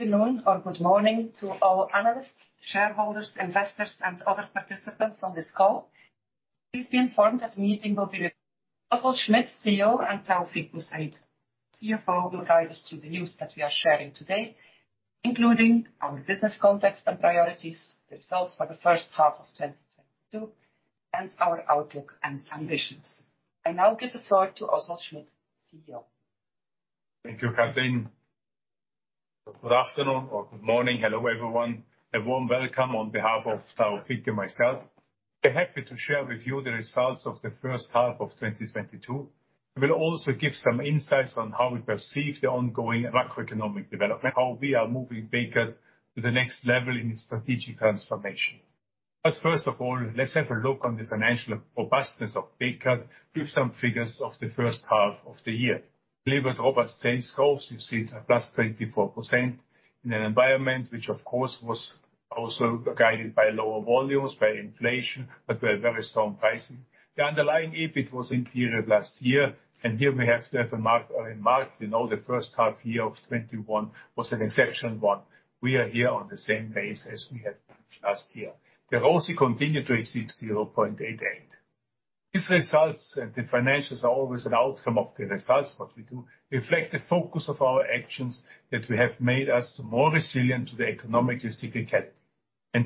Good afternoon or good morning to all analysts, shareholders, investors, and other participants on this call. Please be informed that the meeting will be recorded. Oswald Schmid, CEO, and Taoufiq Boussaid, CFO, will guide us through the news that we are sharing today, including our business context and priorities, the results for the first half of 2022, and our outlook and ambitions. I now give the floor to Oswald Schmid, CEO. Thank you, Katelijn. Good afternoon or good morning. Hello, everyone. A warm welcome on behalf of Taoufiq and myself. We're happy to share with you the results of the first half of 2022. We will also give some insights on how we perceive the ongoing macroeconomic development, how we are moving Bekaert to the next level in its strategic transformation. First of all, let's have a look on the financial robustness of Bekaert with some figures of the first half of the year. Delivered robust sales growth, you see it at +24% in an environment which, of course, was also guided by lower volumes, by inflation, but with very strong pricing. The underlying EBIT was inferior to last year, and here we have to make a remark. We know the first half year of 2021 was an exceptional one. We are here on the same basis as we had last year. The ROCE continued to exceed 0.88. These results, and the financials are always an outcome of the results, what we do reflect the focus of our actions that we have made us more resilient to the economic cyclicality.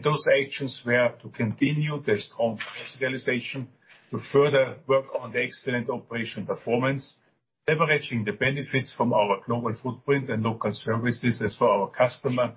Those actions we have to continue the strong capitalization to further work on the excellent operational performance, leveraging the benefits from our global footprint and local services as for our customer.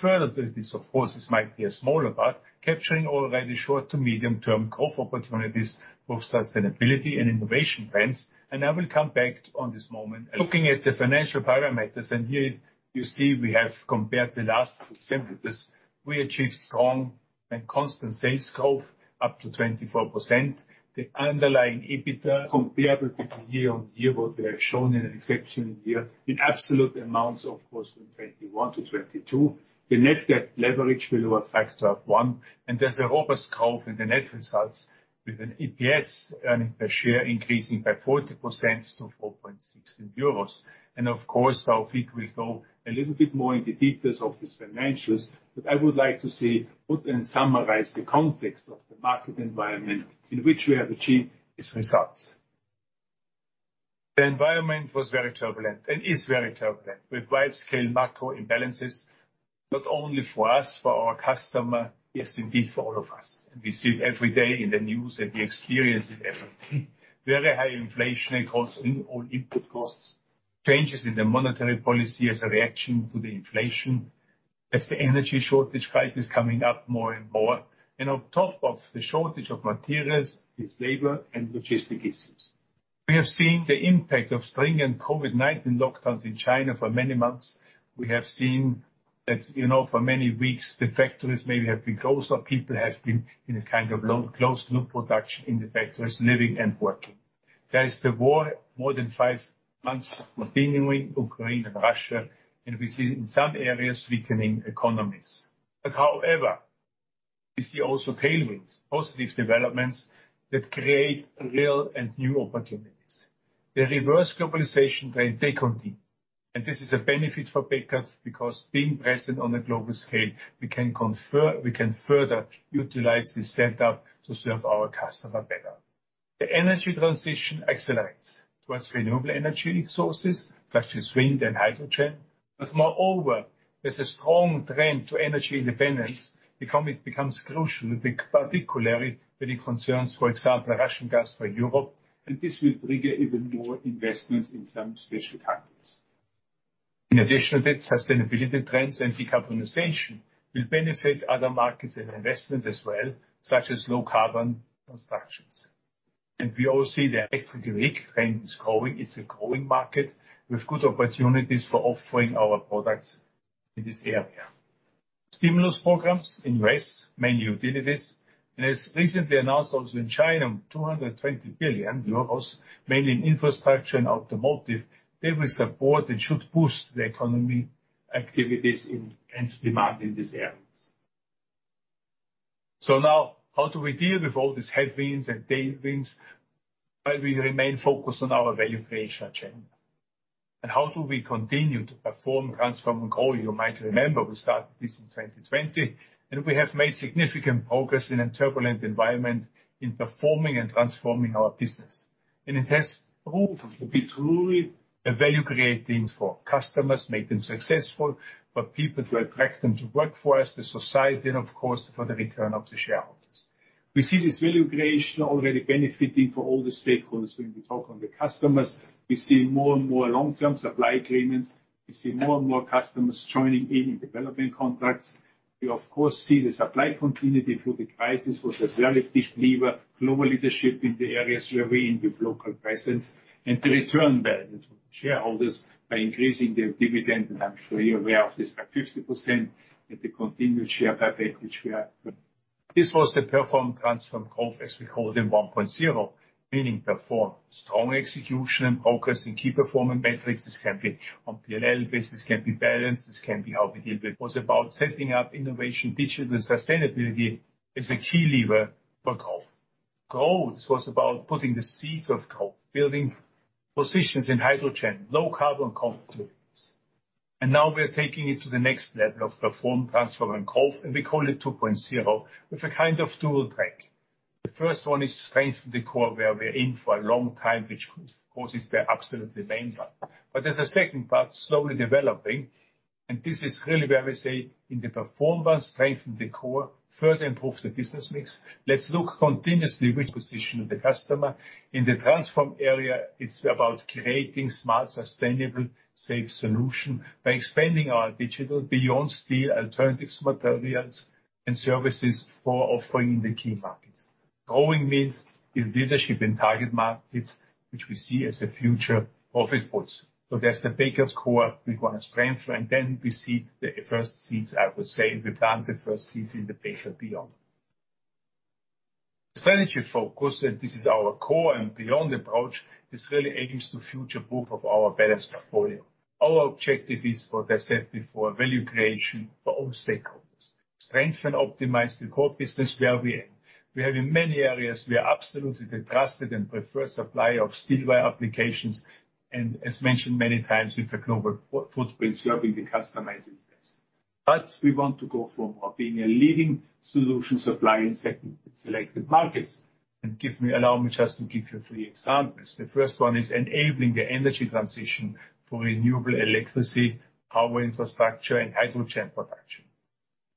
Further to this, of course, this might be a smaller part, capturing already short- to medium-term growth opportunities, both sustainability and innovation trends. I will come back to this in a moment. Looking at the financial parameters, and here you see we have compared the last six months, we achieved strong and constant sales growth up to 24%. The underlying EBITDA comparable to the year-on-year, what we have shown in an exceptional year in absolute amounts, of course, from 2021 to 2022. The net debt leverage below a factor of one. There's a robust growth in the net results with an EPS earnings per share increasing by 14% to 4.16 euros. Of course, Taoufiq will go a little bit more into details of these financials, but I would like to put and summarize the context of the market environment in which we have achieved these results. The environment was very turbulent and is very turbulent with widespread macro imbalances, not only for us, for our customer. Yes, indeed, for all of us. We see it every day in the news, and we experience it every day. Very high inflation and cost in all input costs, changes in the monetary policy as a reaction to the inflation. As the energy shortage crisis coming up more and more, and on top of the shortage of materials, it's labor and logistic issues. We have seen the impact of supply chain and COVID-19 lockdowns in China for many months. We have seen that, you know, for many weeks, the factories maybe have been closed or people have been in a kind of closed loop production in the factories, living and working. There is the war more than five months continuing, Ukraine and Russia, and we see in some areas weakening economies. However, we see also tailwinds, positive developments that create real and new opportunities. The reverse globalization trend, they continue. This is a benefit for Bekaert because being present on a global scale, we can further utilize this setup to serve our customer better. The energy transition accelerates towards renewable energy sources such as wind and hydrogen. But moreover, there's a strong trend to energy independence. It becomes crucial, particularly when it concerns, for example, Russian gas for Europe, and this will trigger even more investments in some special countries. In addition to that, sustainability trends and decarbonization will benefit other markets and investments as well, such as low carbon constructions. We all see the electric vehicle trend is growing. It's a growing market with good opportunities for offering our products in this area. Stimulus programs in U.S., mainly utilities, and as recently announced also in China, 220 billion euros mainly in infrastructure and automotive. They will support and should boost the economic activities in and demand in these areas. Now how do we deal with all these headwinds and tailwinds, but we remain focused on our value creation agenda. How do we continue to perform, transform and grow? You might remember we started this in 2020, and we have made significant progress in a turbulent environment in performing and transforming our business. It has proved to be truly a value creating for customers, make them successful, for people to attract them to work for us, the society, and of course, for the return of the shareholders. We see this value creation already benefiting all the stakeholders. When we talk about the customers, we see more and more long-term supply agreements. We see more and more customers joining in development contracts. We of course see the supply continuity through the crisis was a very big lever. Global leadership in the areas where we're in with local presence. The return value to shareholders by increasing their dividend, and I'm sure you're aware of this, by 50% and the continued share buyback which we are doing. This was the Perform, Transform, Growth, as we called it 1.0, meaning perform strong execution and focus in key performance metrics. This can be on P&L basis. This can be balance. This can be how we deal with. It was about setting up innovation, digital, sustainability as a key lever for growth. Goals was about putting the seeds of growth, building positions in hydrogen, low-carbon. Now we're taking it to the next level of Perform, Transform and Growth, and we call it 2.0, with a kind of dual track. The first one is strengthen the core where we're in for a long time, which of course, is the absolute main one. There's a second part slowly developing, and this is really where we say in Perform, strengthen the core, further improve the business mix. Let's look continuously at the position of the customer. In the Transform area, it's about creating smart, sustainable, safe solutions by expanding our digital beyond steel alternative materials and services offering to the key markets. Grow means leadership in target markets, which we see as a future growth areas. That's the Bekaert's core we wanna strengthen, and then we seed the first seeds. I would say we plant the first seeds in the Bekaert beyond. Strategy focus, and this is our core and beyond approach, is really aimed at future-proofing our balanced portfolio. Our objective is, as said before, value creation for all stakeholders. Strengthen, optimize the core business where we can. We have in many areas, we are absolutely the trusted and preferred supplier of Steel Wire Solutions. As mentioned many times, with the global footprint, we are close to the customer in every sense. We want to go from being a leading solution supplier in selected markets. Allow me just to give you three examples. The first one is enabling the energy transition for renewable electricity, power infrastructure and hydrogen production.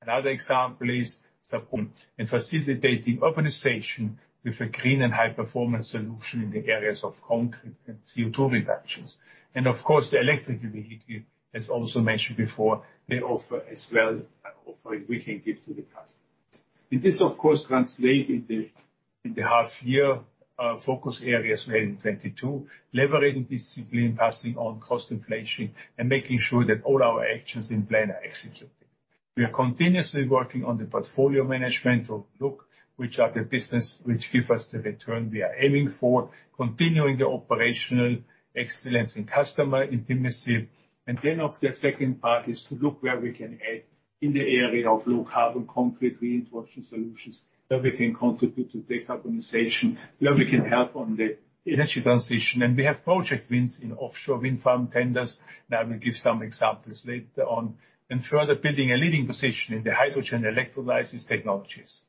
Another example is supporting and facilitating urbanization with a clean and high performance solution in the areas of concrete and CO2 reductions. Of course, the electric mobility, as also mentioned before, the offer we can give to the customer. This of course translates in the half-year focus areas we have in 2022, leveraging discipline, passing on cost inflation, and making sure that all our actions in plan are executed. We are continuously working on the portfolio management to look which are the businesses which give us the return we are aiming for, continuing the operational excellence in customer intimacy. The second part is to look where we can add in the area of low carbon concrete reinforcement solutions that we can contribute to decarbonization, where we can help on the energy transition. We have project wins in offshore wind farm tenders that will give some examples later on in further building a leading position in the hydrogen electrolysis technologies.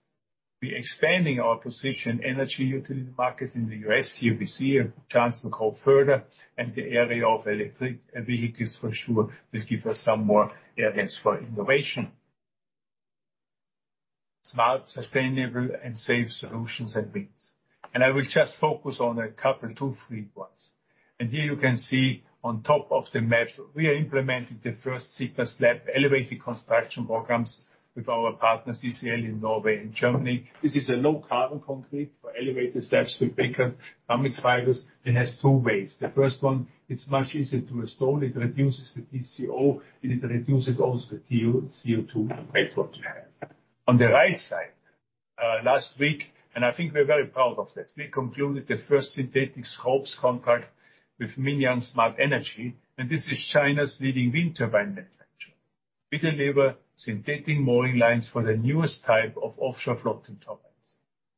We are expanding our position in energy utility markets in the U.S. Here we see a chance to go further, and the area of electric vehicles for sure will give us some more areas for innovation. Smart, sustainable, and safe solutions and wins. I will just focus on a couple, two, three points. Here you can see on top of the map, we are implementing the first slabless elevated construction programs with our partners, CCL in Norway and Germany. This is a low carbon concrete for elevated slabs with Bekaert Dramix fibers. It has two ways. The first one, it's much easier to install. It reduces the TCO, it reduces also the CO2 footprint. On the right side, last week, I think we're very proud of that, we concluded the first synthetic ropes contract with MingYang Smart Energy, and this is China's leading wind turbine manufacturer. We deliver synthetic mooring lines for the newest type of offshore floating turbines.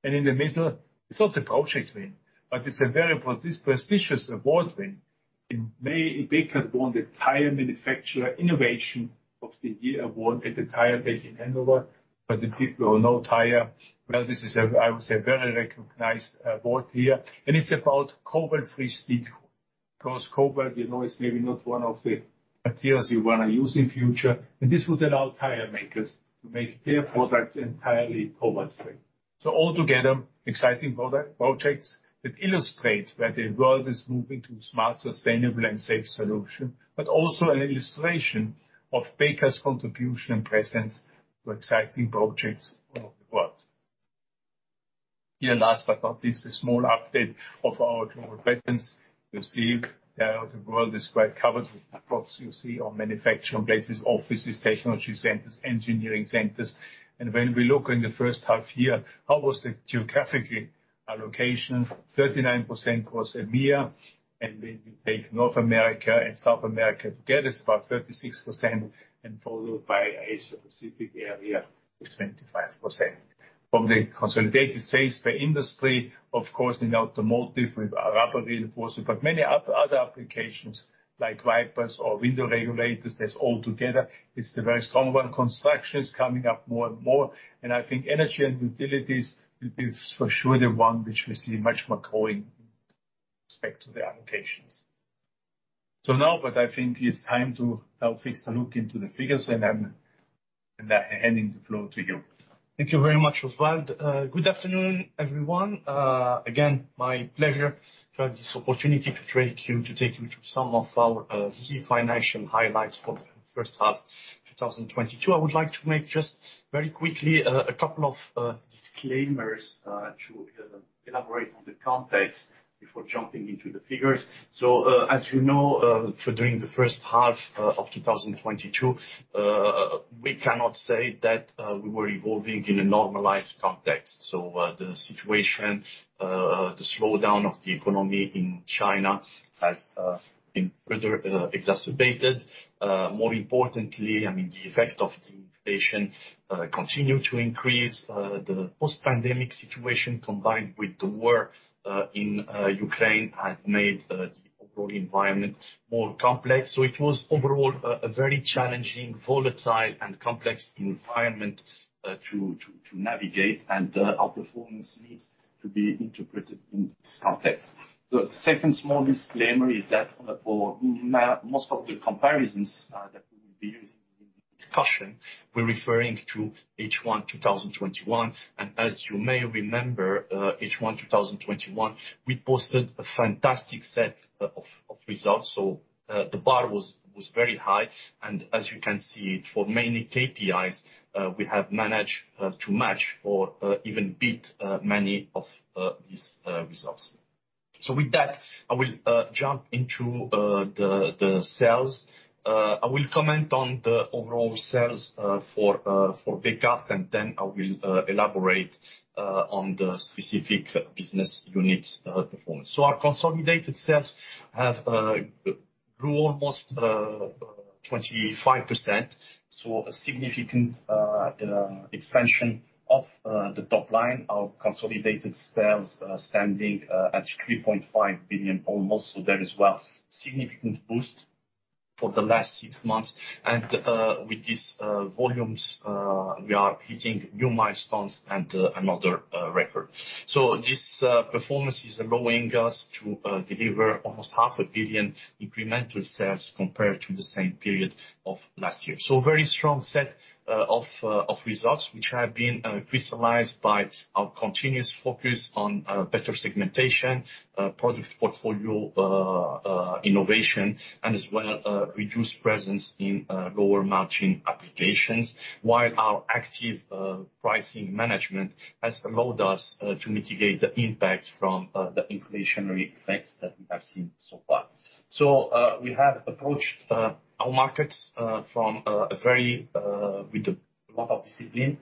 In the middle, it's not a project win, but it's a very prestigious award win. In May, Bekaert won the Tire Technology International Award for Innovation of the Year at the Tire Technology Expo in Hannover. For the people who know tire, well, this is a, I would say, very recognized award here, and it's about cobalt-free steel. Because cobalt, you know, is maybe not one of the materials you wanna use in the future. This would allow tire makers to make their products entirely cobalt free. Altogether, exciting product projects that illustrate where the world is moving to smart, sustainable, and safe solution, but also an illustration of Bekaert's contribution and presence in exciting projects all over the world. Here, last but not least, a small update of our global presence. You see there the world is quite covered with products. You see our manufacturing bases, offices, technology centers, engineering centers. When we look in the first half year, how was the geographical allocation? 39% was EMEA. When you take North America and South America together, it's about 36% and followed by Asia-Pacific area with 25%. From the consolidated sales by industry, of course, in automotive with our Rubber Reinforcement, but many other applications like wipers or window regulators, that's all together. It's the very strong one. Construction is coming up more and more. I think energy and utilities will be for sure the one which we see much more growing in respect to the allocations. Now what I think is time to Taoufiq to look into the figures, and I'm handing the floor to you. Thank you very much, Oswald. Good afternoon, everyone. Again, my pleasure to have this opportunity to take you through some of our key financial highlights for the first half 2022. I would like to make just very quickly a couple of disclaimers to elaborate on the context before jumping into the figures. As you know, during the first half of 2022, we cannot say that we were evolving in a normalized context. The situation, the slowdown of the economy in China has been further exacerbated. More importantly, I mean, the effect of the inflation continues to increase, the post-pandemic situation combined with the war in Ukraine have made the overall environment more complex. It was overall a very challenging, volatile and complex environment to navigate, and our performance needs to be interpreted in this context. The second small disclaimer is that for most of the comparisons that we will be using in the discussion, we're referring to H1 2021. As you may remember, H1 2021, we posted a fantastic set of results. The bar was very high, and as you can see, for many KPIs, we have managed to match or even beat many of these results. With that, I will jump into the sales. I will comment on the overall sales for Bekaert, and then I will elaborate on the specific business units' performance. Our consolidated sales have grew almost 25%, a significant expansion of the top line, our consolidated sales standing at 3.5 billion almost. There is, well, significant boost for the last six months. With these volumes we are hitting new milestones and another record. This performance is allowing us to deliver almost 500 million incremental sales compared to the same period of last year. A very strong set of results, which have been crystallized by our continuous focus on better segmentation, product portfolio, innovation and as well reduced presence in lower margin applications. While our active pricing management has allowed us to mitigate the impact from the inflationary effects that we have seen so far. We have approached our markets with a lot of discipline.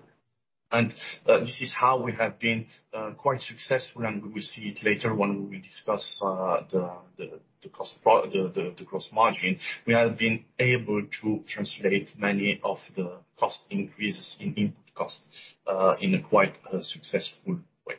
This is how we have been quite successful, and we will see it later when we discuss the gross margin. We have been able to translate many of the cost increases in input costs in a quite successful way.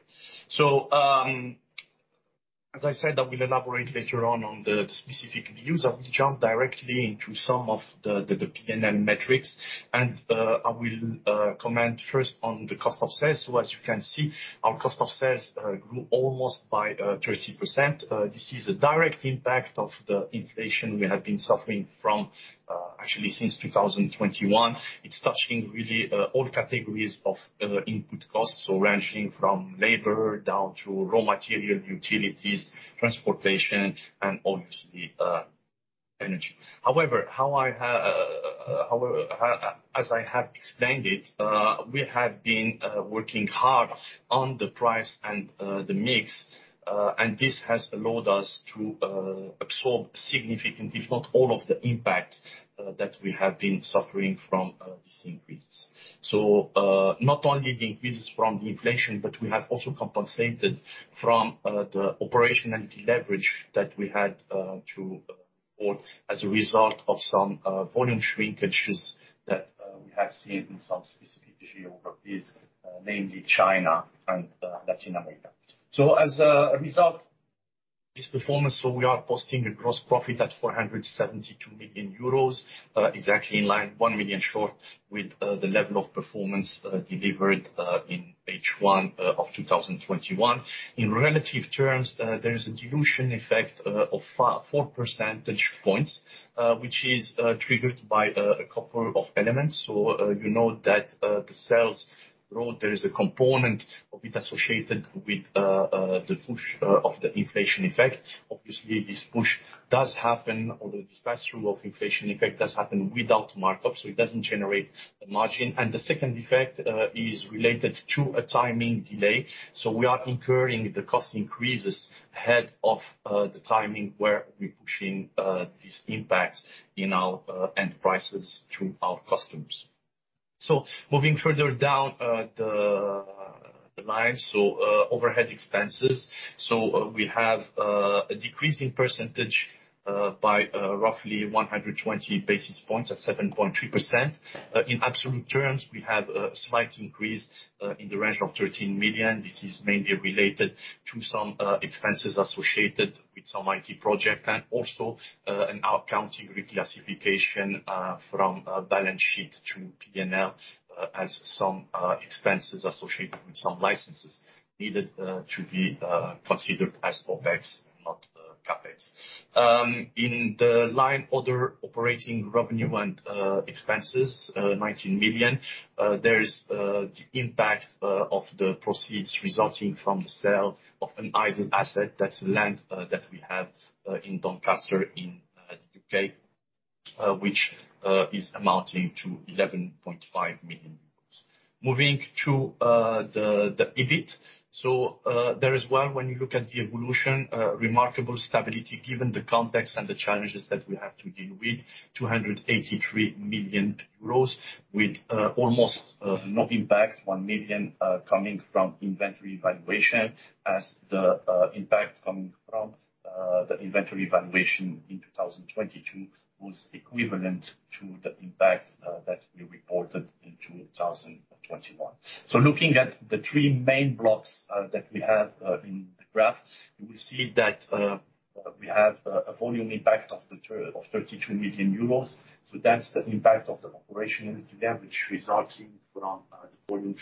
As I said, I will elaborate later on the specific views. I will jump directly into some of the P&L metrics, and I will comment first on the cost of sales. As you can see, our cost of sales grew almost by 30%. This is a direct impact of the inflation we have been suffering from, actually since 2021. It's touching really all categories of input costs, so ranging from labor down to raw material, utilities, transportation and obviously energy. However, as I have explained it, we have been working hard on the price and the mix, and this has allowed us to absorb significant, if not all of the impact that we have been suffering from these increases. Not only the increases from the inflation, but we have also compensated from the operational leverage that we had to hold as a result of some volume shrinkages that we have seen in some specific geographies, namely China and Latin America. As a result of this performance, we are posting a gross profit of 472 million euros. It's actually in line, 1 million short, with the level of performance delivered in H1 of 2021. In relative terms, there is a dilution effect of 4 percentage points, which is triggered by a couple of elements. You know that the sales growth, there is a component of it associated with the push of the inflation effect. Obviously, this push does happen, or this pass-through of inflation effect does happen without markup, so it doesn't generate the margin. The second effect is related to a timing delay, so we are incurring the cost increases ahead of the timing where we're pushing these impacts in our end prices to our customers. Moving further down the line, overhead expenses. We have a decrease in percentage by roughly 120 basis points at 7.3%. In absolute terms, we have a slight increase in the range of 13 million. This is mainly related to some expenses associated with some IT project and also an accounting reclassification from balance sheet to P&L, as some expenses associated with some licenses needed to be considered as CapEx and not OpEx. In the line other operating revenue and expenses, 19 million, there is the impact of the proceeds resulting from the sale of an idle asset. That's land that we have in Doncaster in the U.K., which is amounting to 11.5 million euros. Moving to the EBIT. There as well, when you look at the evolution, remarkable stability given the context and the challenges that we have to deal with, 283 million euros with almost no impact. 1 million coming from inventory valuation as the impact coming from the inventory valuation in 2022 was equivalent to the impact that we reported in 2021. Looking at the three main blocks that we have in the graph, you will see that we have a volume impact of 32 million euros. That's the impact of the operational unit damage resulting from the volume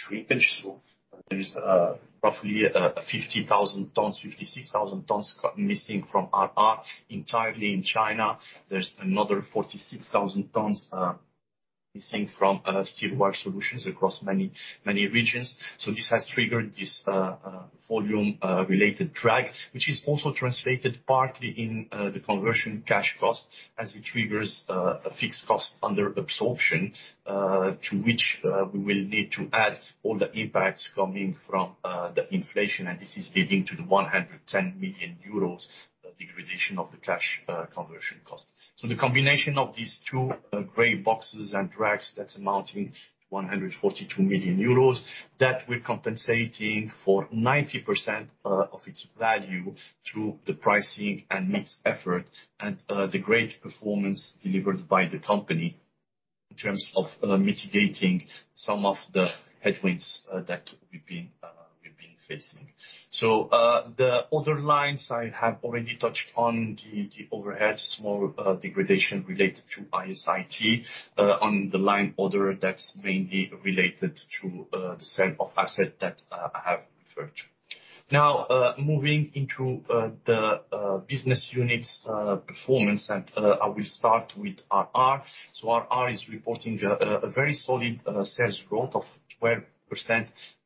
shrinkage. There's roughly 50,000 tons, 56,000 tons missing from RR entirely in China. There's another 46,000 tons missing from Steel Wire Solutions across many regions. This has triggered this volume related drag, which is also translated partly in the cash conversion cost as it triggers a fixed cost under absorption, to which we will need to add all the impacts coming from the inflation. This is leading to the 110 million euros degradation of the cash conversion cost. The combination of these two gray boxes and drags, that's amounting to 142 million euros, that we're compensating for 90% of its value through the pricing and mix effort and the great performance delivered by the company in terms of mitigating some of the headwinds that we've been facing. The other lines I have already touched on, the overhead, small degradation related to IS/IT. On the line other, that's mainly related to the sale of assets that I have referred to. Now, moving into the business units performance, and I will start with RR. RR is reporting a very solid sales growth of 12%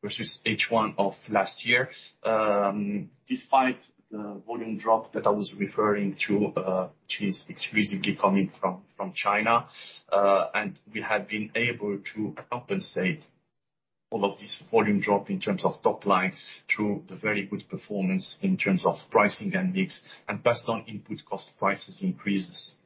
versus H1 of last year, despite the volume drop that I was referring to, which is exclusively coming from China. We have been able to compensate all of this volume drop in terms of top line through the very good performance in terms of pricing and mix and passed on input cost price increases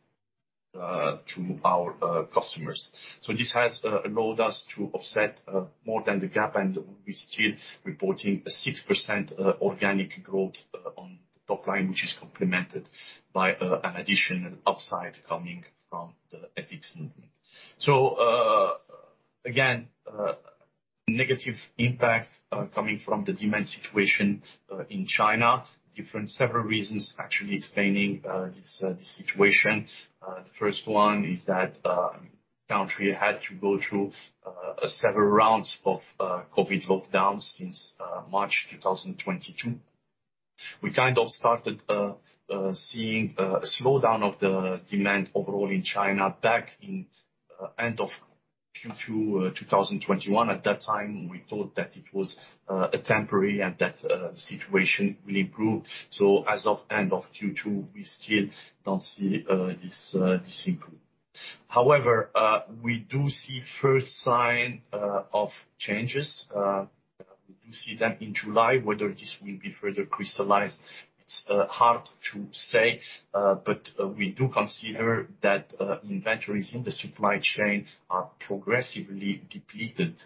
to our customers. This has allowed us to offset more than the gap, and we're still reporting a 6% organic growth on the top line, which is complemented by an additional upside coming from the FX movement. Negative impact coming from the demand situation in China. Several different reasons actually explaining this situation. The first one is that country had to go through several rounds of COVID lockdowns since March 2022. We kind of started seeing a slowdown of the demand overall in China back in end of Q2 2021. At that time, we thought that it was temporary and that the situation will improve. As of end of Q2, we still don't see this improvement. However, we do see first sign of changes. We do see them in July. Whether this will be further crystallized, it's hard to say, but we do consider that inventories in the supply chain are progressively depleted.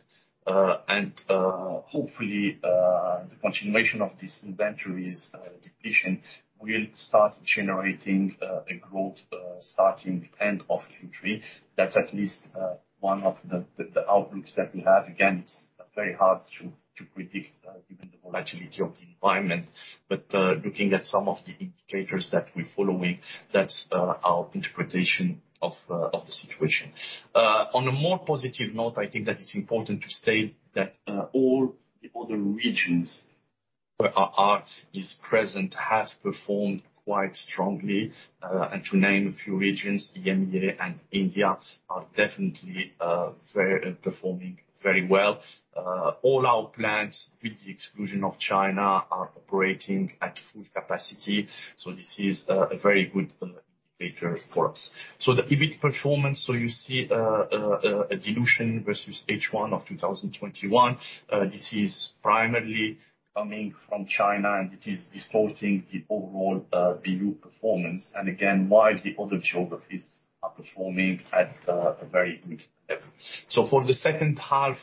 Hopefully, the continuation of this inventories depletion will start generating a growth starting the end of Q3. That's at least one of the outlooks that we have. Again, it's very hard to predict given the volatility of the environment. Looking at some of the indicators that we're following, that's our interpretation of the situation. On a more positive note, I think that it's important to state that all the other regions where RR is present has performed quite strongly. To name a few regions, EMEA and India are definitely very performing very well. All our plants with the exclusion of China are operating at full capacity, so this is a very good indicator for us. The EBIT performance, you see a dilution versus H1 2021. This is primarily coming from China, and it is distorting the overall value performance. Again, while the other geographies are performing at a very good level. For the second half,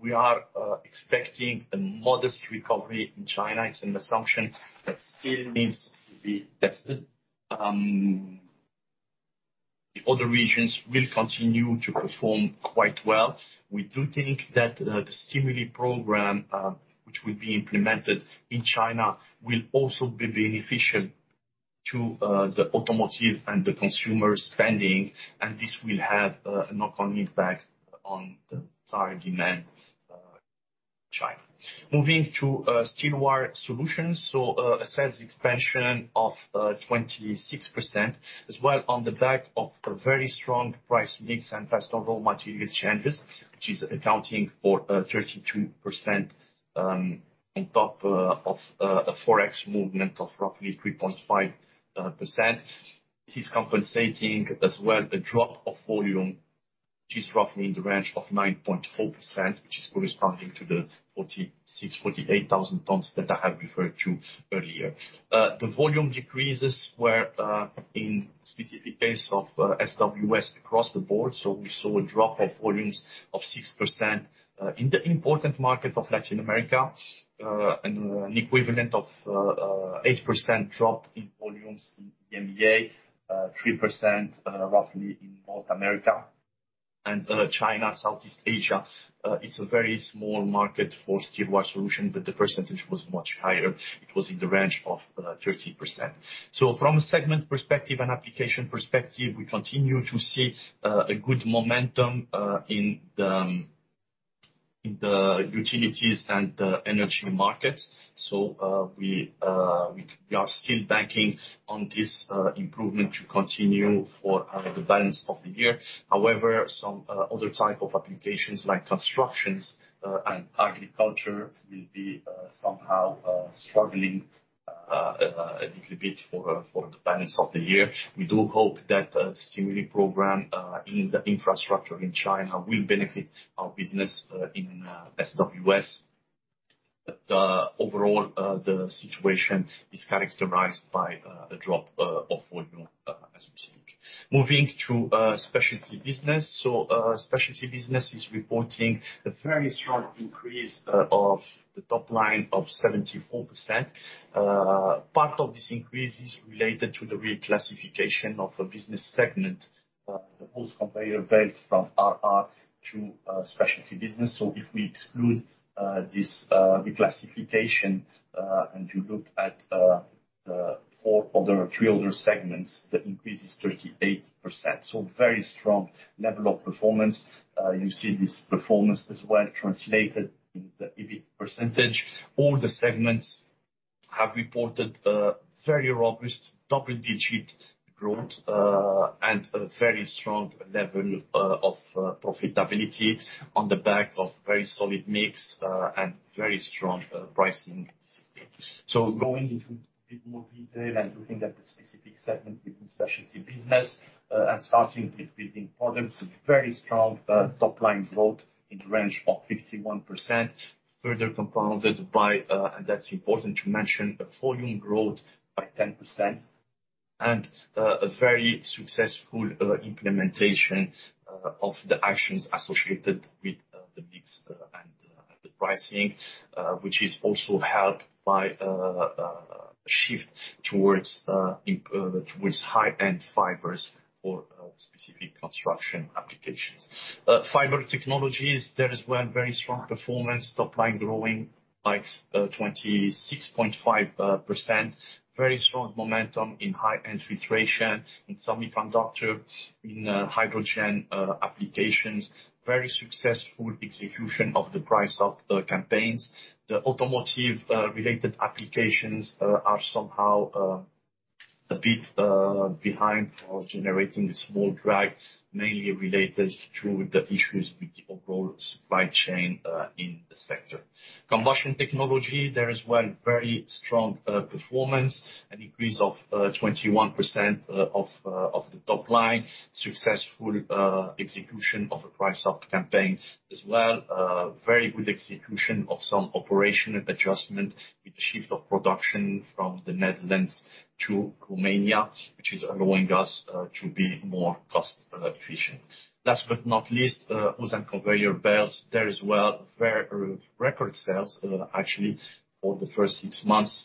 we are expecting a modest recovery in China. It's an assumption that still needs to be tested. The other regions will continue to perform quite well. We do think that the stimulus program, which will be implemented in China will also be beneficial to the automotive and the consumer spending, and this will have a knock-on impact on the entire demand of China. Moving to Steel Wire Solutions. A sales expansion of 26% as well on the back of a very strong price mix and fast raw material changes, which is accounting for 32%, on top of a Forex movement of roughly 3.5%. This is compensating as well a drop of volume which is roughly in the range of 9.4%, which is corresponding to the 46,000-48,000 tons that I have referred to earlier. The volume decreases were in specific case of SWS across the board. We saw a drop of volumes of 6% in the important market of Latin America and an equivalent of 8% drop in volumes in the EMEA, 3% roughly in North America. China, Southeast Asia, it's a very small market for Steel Wire Solutions, but the percentage was much higher. It was in the range of 13%. From a segment perspective and application perspective, we continue to see a good momentum in the utilities and the energy markets. We are still banking on this improvement to continue for the balance of the year. However, some other type of applications like construction and agriculture will be somehow struggling a little bit for the balance of the year. We do hope that a stimulus program in the infrastructure in China will benefit our business in SWS. Overall, the situation is characterized by a drop of volume as we speak. Moving to Specialty Businesses. Specialty Businesses is reporting a very strong increase of the top line of 74%. Part of this increase is related to the reclassification of a business segment, the Hose and Conveyor Belt from RR to Specialty Businesses. If we exclude this reclassification and you look at the three other segments, that increase is 38%. Very strong level of performance. You see this performance as well translated in the EBIT percentage. All the segments have reported a very robust double-digit growth and a very strong level of profitability on the back of very solid mix and very strong pricing. Going into a bit more detail and looking at the specific segment within Specialty Businesses, and starting with Building Products, very strong top-line growth in the range of 51%, further compounded by, and that's important to mention, a volume growth by 10%. A very successful implementation of the actions associated with the mix and the pricing, which is also helped by a shift towards high-end fibers for specific construction applications. Fiber Technologies, there as well, very strong performance. Top line growing by 26.5%. Very strong momentum in high-end filtration, in semiconductor, in hydrogen applications. Very successful execution of the price up campaigns. The automotive related applications are somehow a bit behind or generating a small drag, mainly related to the issues with the overall supply chain in the sector. Combustion Technology, there as well, very strong performance. An increase of 21% of the top line. Successful execution of a price up campaign as well. Very good execution of some operation adjustment with the shift of production from the Netherlands to Romania, which is allowing us to be more cost efficient. Last but not least, Hose and Conveyor Belts. There as well, record sales actually for the first six months,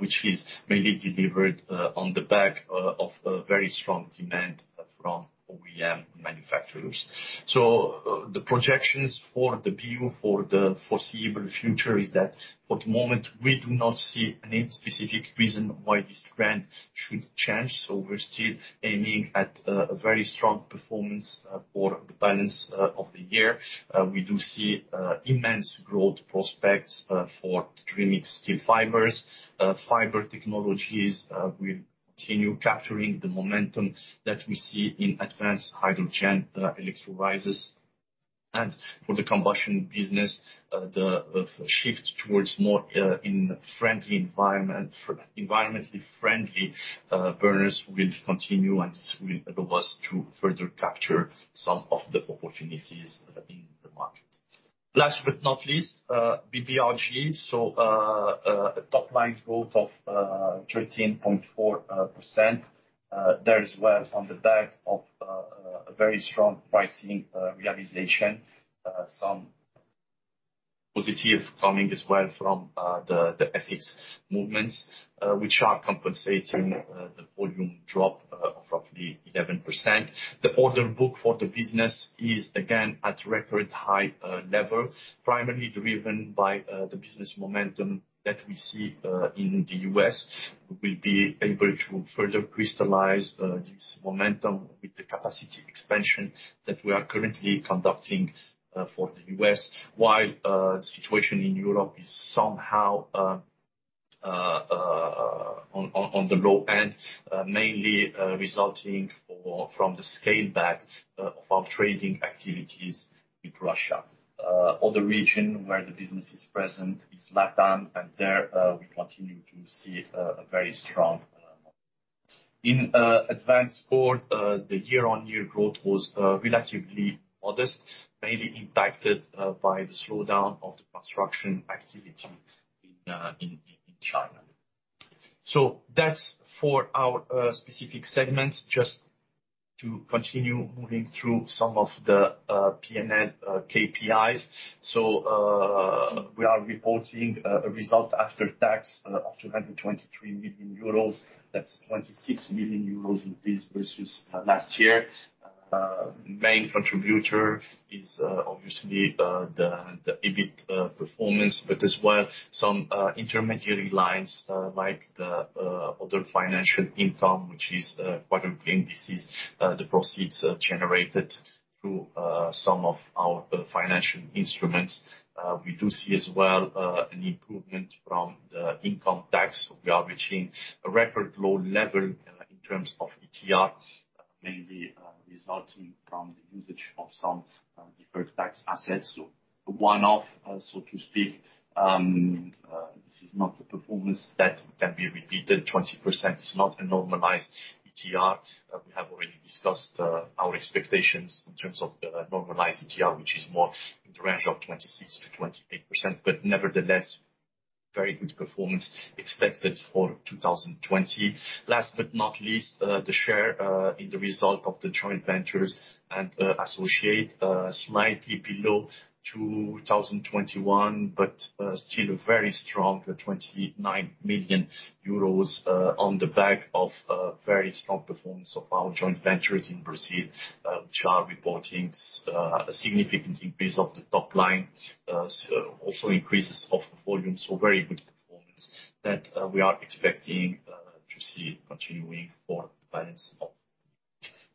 which is mainly delivered on the back of a very strong demand from OEM manufacturers. The projections for the view for the foreseeable future is that for the moment we do not see any specific reason why this trend should change. We're still aiming at a very strong performance for the balance of the year. We do see immense growth prospects for Dramix steel fibers. Fiber Technologies will continue capturing the momentum that we see in advanced hydrogen electrolyzers. For the combustion business, the shift towards more environmentally friendly burners will continue, and this will allow us to further capture some of the opportunities in the market. Last but not least, BBRG. A top-line growth of 13.4%. There as well is on the back of a very strong pricing realization. Some positive coming as well from the FX movements, which are compensating the volume drop of roughly 11%. The order book for the business is again at record high level, primarily driven by the business momentum that we see in the U.S. We'll be able to further crystallize this momentum with the capacity expansion that we are currently conducting for the U.S., while the situation in Europe is somehow on the low end, mainly resulting from the scale back of our trading activities with Russia. Other region where the business is present is LATAM, and there, we continue to see a very strong Advanced Cords, the year-on-year growth was relatively modest, mainly impacted by the slowdown of the construction activity in China. That's for our specific segments. Just to continue moving through some of the P&L KPIs. We are reporting a result after tax of 223 million euros. That's 26 million euros increase versus last year. Main contributor is obviously the EBIT performance, but as well, some intermediary lines like the other financial income, which is quite unusual. This is the proceeds generated through some of our financial instruments. We do see as well an improvement from the income tax. We are reaching a record low level in terms of ETR, mainly resulting from the usage of some deferred tax assets. One-off, so to speak, this is not a performance that can be repeated. 20% is not a normalized ETR. We have already discussed our expectations in terms of the normalized ETR, which is more in the range of 26%-28%. Nevertheless, very good performance expected for 2022. Last but not least, the share in the result of the joint ventures and associate slightly below 2021, but still a very strong 29 million euros on the back of very strong performance of our joint ventures in Brazil, which are reporting a significant increase of the top line also increases of volume. Very good performance that we are expecting to see continuing for the balance of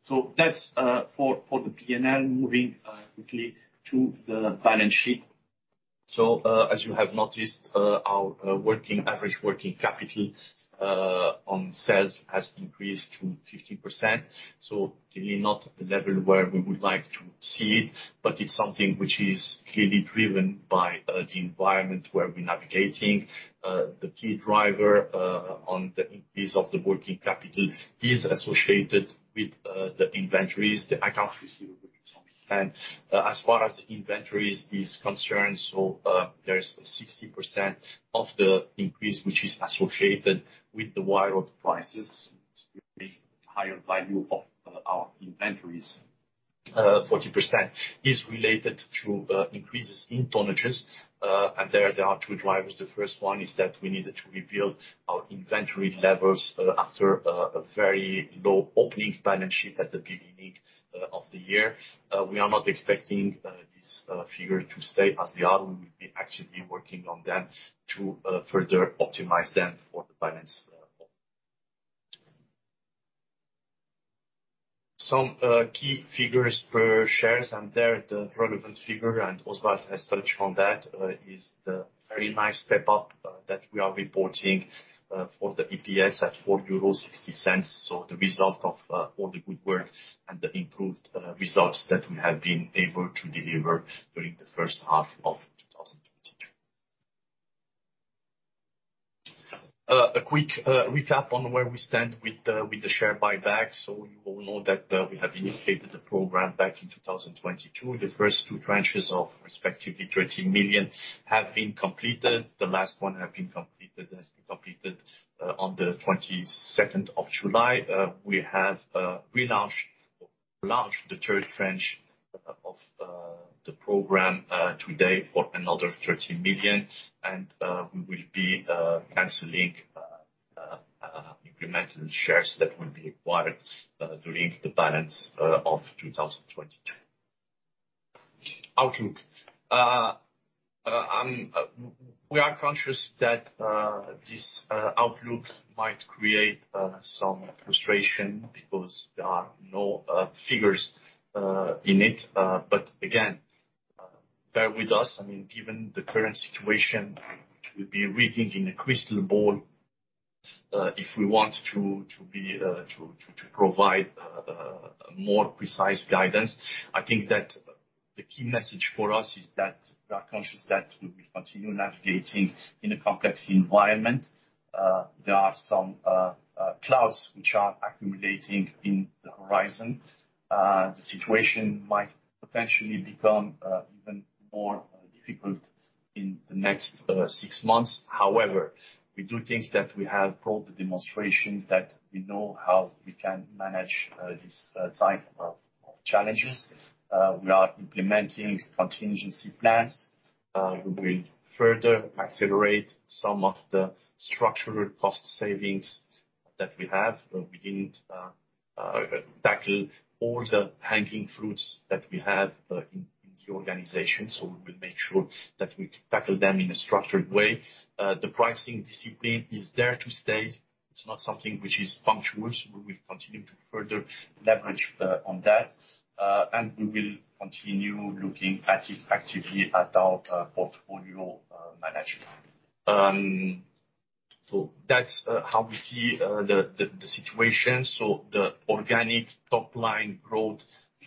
the year. That's for the P&L. Moving quickly to the balance sheet. As you have noticed, our average working capital on sales has increased to 15%, so clearly not at the level where we would like to see it, but it's something which is clearly driven by the environment where we're navigating. The key driver on the increase of the working capital is associated with the inventories. The accounts receivable really 10%. As far as the inventories is concerned, there is 60% of the increase which is associated with the raw prices, which create higher value of our inventories. 40% is related to increases in tonnages, and there are two drivers. The first one is that we needed to rebuild our inventory levels after a very low opening balance sheet at the beginning of the year. We are not expecting this figure to stay as they are. We will be actively working on them to further optimize them for the balance sheet. Some key figures per share, and there, the relevant figure, and Oswald has touched on that, is the very nice step up that we are reporting for the EPS at 4.16 euro. The result of all the good work and the improved results that we have been able to deliver during the first half of 2022. A quick recap on where we stand with the share buyback. You all know that we have initiated the program back in 2022. The first two tranches of respectively 30 million have been completed. The last one has been completed on the twenty-second of July. We have relaunched or launched the third tranche of the program today for another 30 million, and we will be canceling incremental shares that will be acquired during the balance of 2022. Outlook. We are conscious that this outlook might create some frustration because there are no figures in it. Again, bear with us, I mean, given the current situation, which we'll be reading in a crystal ball, if we want to provide a more precise guidance. I think that the key message for us is that we are conscious that we'll be continuing navigating in a complex environment. There are some clouds which are accumulating in the horizon. The situation might potentially become even more difficult in the next six months. However, we do think that we have proved the demonstration that we know how we can manage this type of challenges. We are implementing contingency plans. We will further accelerate some of the structural cost savings that we have. We didn't tackle all the hanging fruits that we have in the organization, so we will make sure that we tackle them in a structured way. The pricing discipline is there to stay. It's not something which is punctual, so we will continue to further leverage on that, and we will continue looking at it actively at our portfolio management. That's how we see the situation. The organic top-line growth,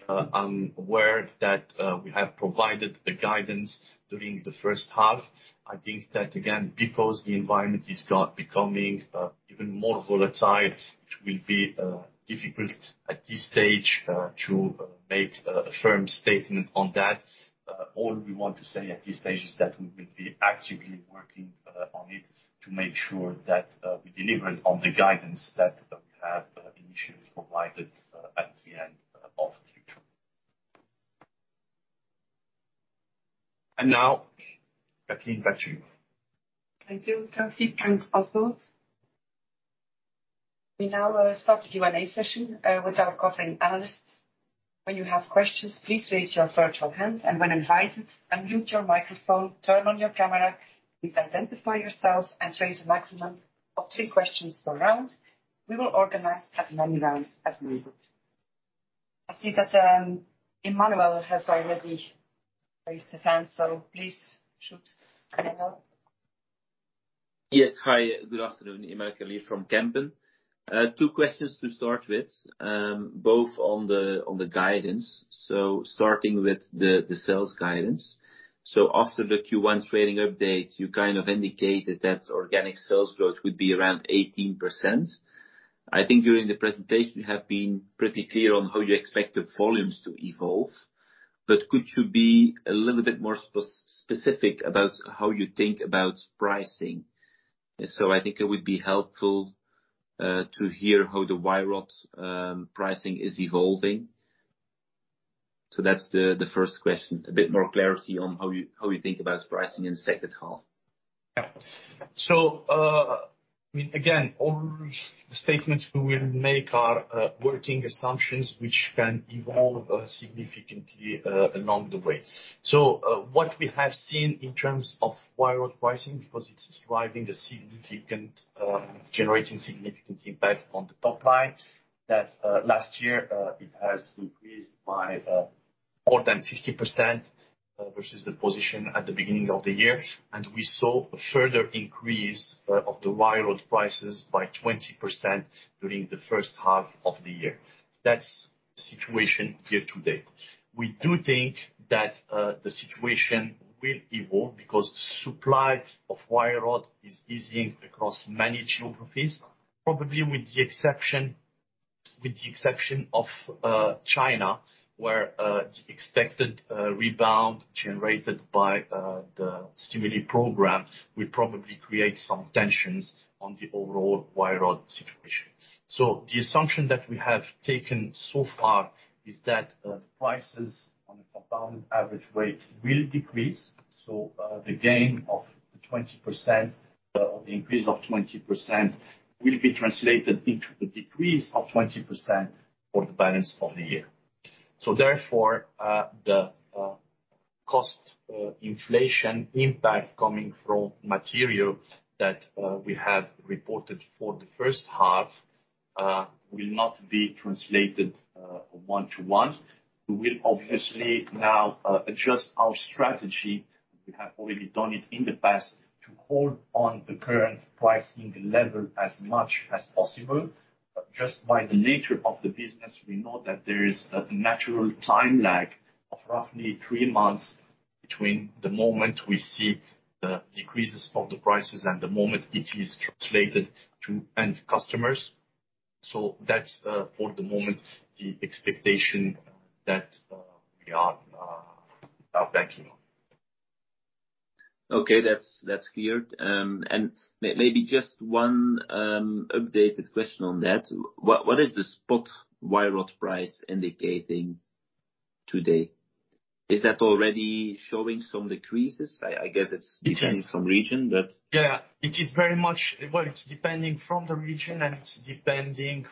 I'm aware that we have provided the guidance during the first half. I think that again, because the environment is becoming even more volatile, it will be difficult at this stage to make a firm statement on that. All we want to say at this stage is that we will be actively working on it to make sure that we deliver on the guidance that we have initially provided at the end of Q2. Now Katelijn Bohez. Thank you. Thank you, Taoufiq Boussaid. We now start the Q&A session with our covering analysts. When you have questions, please raise your virtual hand, and when invited, unmute your microphone, turn on your camera, please identify yourself, and raise a maximum of three questions per round. We will organize as many rounds as needed. I see that Emmanuel has already raised his hand, so please shoot, Emmanuel. Yes. Hi, good afternoon. Emmanuel Carlier from Kempen. Two questions to start with, both on the guidance. Starting with the sales guidance. After the Q1 trading update, you kind of indicated that organic sales growth would be around 18%. I think during the presentation you have been pretty clear on how you expect the volumes to evolve. But could you be a little bit more specific about how you think about pricing? I think it would be helpful to hear how the wire rod pricing is evolving. That's the first question, a bit more clarity on how you think about pricing in the second half. Yeah. I mean, again, all the statements we will make are working assumptions, which can evolve significantly along the way. What we have seen in terms of wire rod pricing, because it's generating significant impact on the top line, that last year it has increased by more than 50% versus the position at the beginning of the year. We saw a further increase of the wire rod prices by 20% during the first half of the year. That's the situation here today. We do think that the situation will evolve because supply of wire rod is easing across many geographies, probably with the exception of China, where the expected rebound generated by the stimulus program will probably create some tensions on the overall wire rod situation. The assumption that we have taken so far is that prices on a compound average rate will decrease. The gain of the 20% or the increase of 20% will be translated into a decrease of 20% for the balance of the year. Therefore, the cost inflation impact coming from material that we have reported for the first half will not be translated one to one. We will obviously now adjust our strategy, we have already done it in the past, to hold on the current pricing level as much as possible. Just by the nature of the business, we know that there is a natural time lag of roughly three months between the moment we see the decreases of the prices and the moment it is translated to end customers. That's for the moment the expectation that we are banking on. Okay. That's clear. Maybe just one updated question on that. What is the spot wire rod price indicating today? Is that already showing some decreases? I guess it's. It has. depending on some region, but It is very much. Well, it's depending on the region and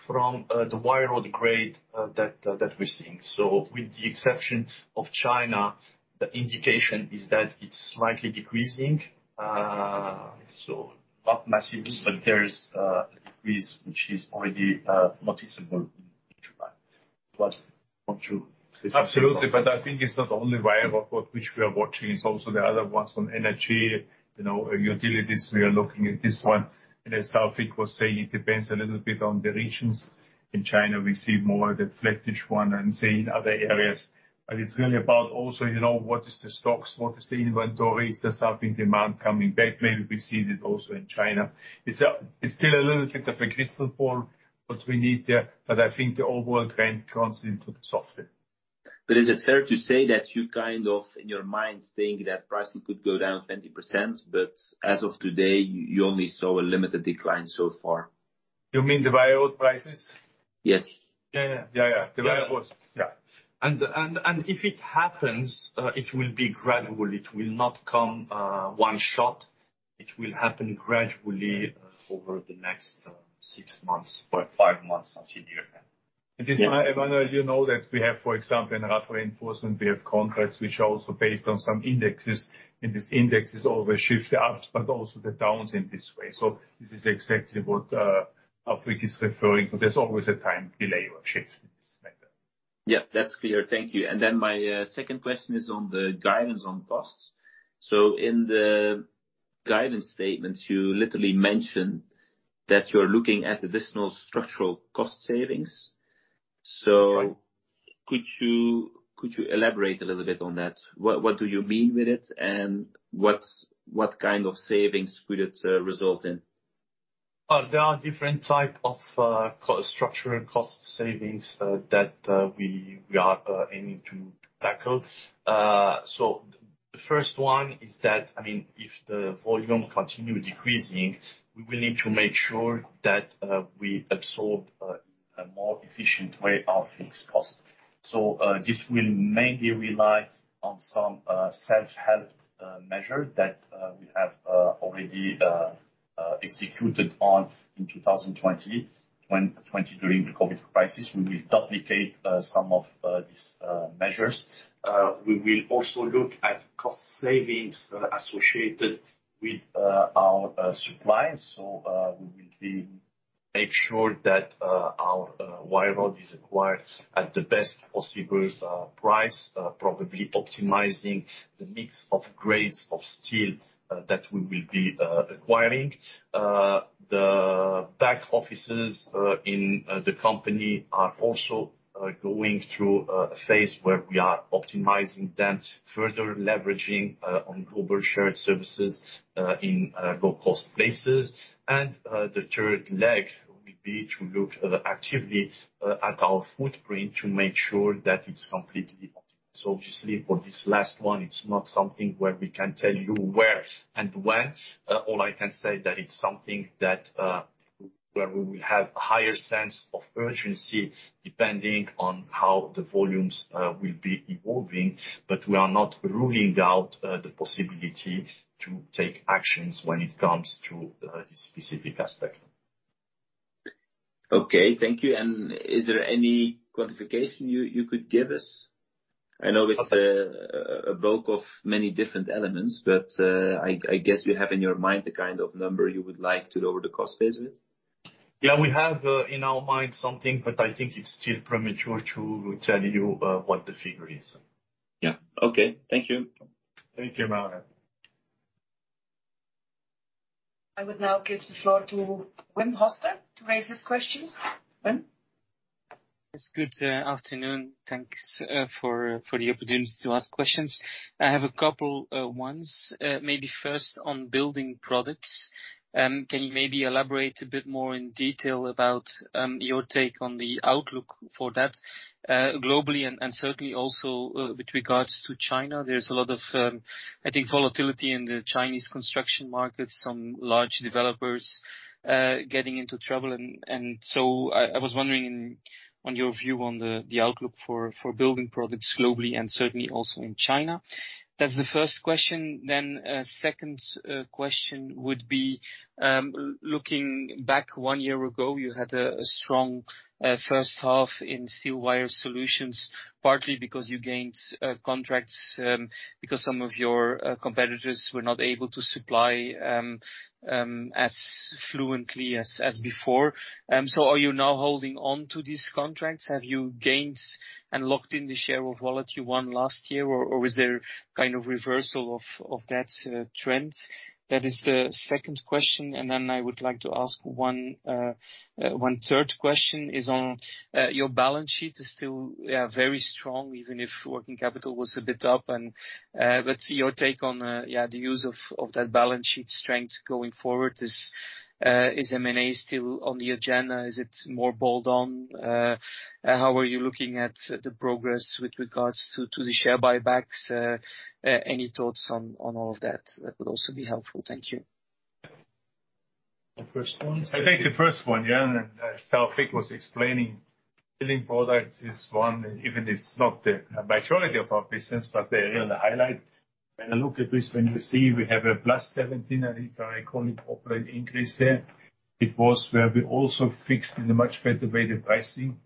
on the wire rod grade that we're seeing. With the exception of China, the indication is that it's slightly decreasing. Not massively, but there is a decrease which is already noticeable in July. Not to say. Absolutely. I think it's not only wire rod which we are watching. It's also the other ones on energy, you know, utilities. We are looking at this one. As Taoufiq was saying, it depends a little bit on the regions. In China, we see more the flattish one than, say, in other areas. It's really about also, you know, what is the stocks, what is the inventory? Is there some demand coming back? Maybe we see this also in China. It's still a little bit of a crystal ball, what we need there. I think the overall trend comes into the softer. Is it fair to say that you kind of, in your mind, think that pricing could go down 20%, but as of today, you only saw a limited decline so far? You mean the wire rod prices? Yes. Yeah. Yeah. Yeah. The wire rods. Yeah. If it happens, it will be gradual. It will not come one shot. It will happen gradually over the next 6 months or 5 months until year end. Yeah. This, Emmanuel, as you know that we have, for example, in Rubber Reinforcement, we have contracts which are also based on some indexes, and these indexes always shift up, but also the downs in this way. This is exactly what Taoufiq is referring to. There's always a time delay of shifts in this matter. Yeah. That's clear. Thank you. My second question is on the guidance on costs. In the guidance statements, you literally mention that you're looking at additional structural cost savings. Right. Could you elaborate a little bit on that? What do you mean with it, and what kind of savings would it result in? There are different type of structural cost savings that we are aiming to tackle. The first one is that, I mean, if the volume continue decreasing, we will need to make sure that we absorb a more efficient way our fixed cost. This will mainly rely on some self-help measure that we have already executed on in 2020 during the COVID crisis. We will duplicate some of these measures. We will also look at cost savings associated with our suppliers. We will make sure that our wire rod is acquired at the best possible price, probably optimizing the mix of grades of steel that we will be acquiring. The back offices in the company are also going through a phase where we are optimizing them, further leveraging on global shared services in low-cost places. The third leg will be to look actively at our footprint to make sure that it's completely optimized. Obviously, for this last one, it's not something where we can tell you where and when. All I can say that it's something that where we will have a higher sense of urgency depending on how the volumes will be evolving. We are not ruling out the possibility to take actions when it comes to this specific aspect. Okay. Thank you. Is there any quantification you could give us? I know it's a bulk of many different elements, but I guess you have in your mind the kind of number you would like to lower the cost base with. Yeah, we have in our mind something, but I think it's still premature to tell you what the figure is. Yeah. Okay. Thank you. Thank you, Emmanuel Carlier. I would now give the floor to Wim Hoste to raise his questions. Wim? Yes. Good afternoon. Thanks for the opportunity to ask questions. I have a couple ones. Maybe first on Building Products. Can you maybe elaborate a bit more in detail about your take on the outlook for that globally and certainly also with regards to China? There's a lot of I think volatility in the Chinese construction market, some large developers getting into trouble. I was wondering on your view on the outlook for Building Products globally and certainly also in China. That's the first question. Second question would be, looking back one year ago, you had a strong first half in Steel Wire Solutions, partly because you gained contracts because some of your competitors were not able to supply as fluently as before. Are you now holding on to these contracts? Have you gained and locked in the share of wallet you won last year or is there kind of reversal of that trend? That is the second question. I would like to ask one third question on your balance sheet. It is still very strong, even if working capital was a bit up and what's your take on the use of that balance sheet strength going forward? Is M&A still on the agenda? Is it more bold-on how are you looking at the progress with regards to the share buybacks? Any thoughts on all of that? That would also be helpful. Thank you. The first one. I think the first one, yeah, and Taoufiq was explaining, Building Products is one, even it's not the majority of our business, but a real highlight. When you look at this, when you see we have a +17%, I think I call it, operating increase there. It was where we also fixed in a much better way the pricing.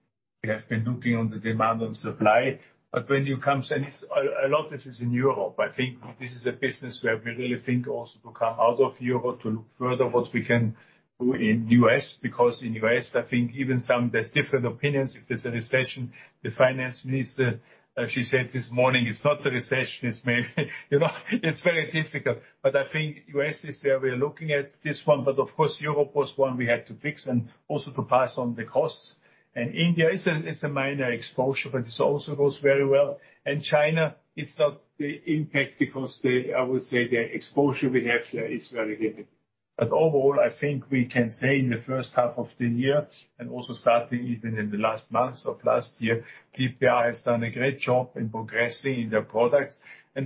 We have been looking on the demand and supply. But when you come to this, a lot of this is in Europe. I think this is a business where we really think also to come out of Europe to look further what we can do in U.S. Because in U.S., I think even some there's different opinions if there's a recession. The finance minister, she said this morning, it's not the recession, it's maybe you know, it's very difficult. I think U.S. is where we're looking at this one. Of course, Europe was one we had to fix and also to pass on the costs. India, it's a minor exposure, but this also goes very well. China is not the impact because the, I would say, the exposure we have there is very limited. Overall, I think we can say in the first half of the year and also starting even in the last months of last year, BP has done a great job in progressing in their products.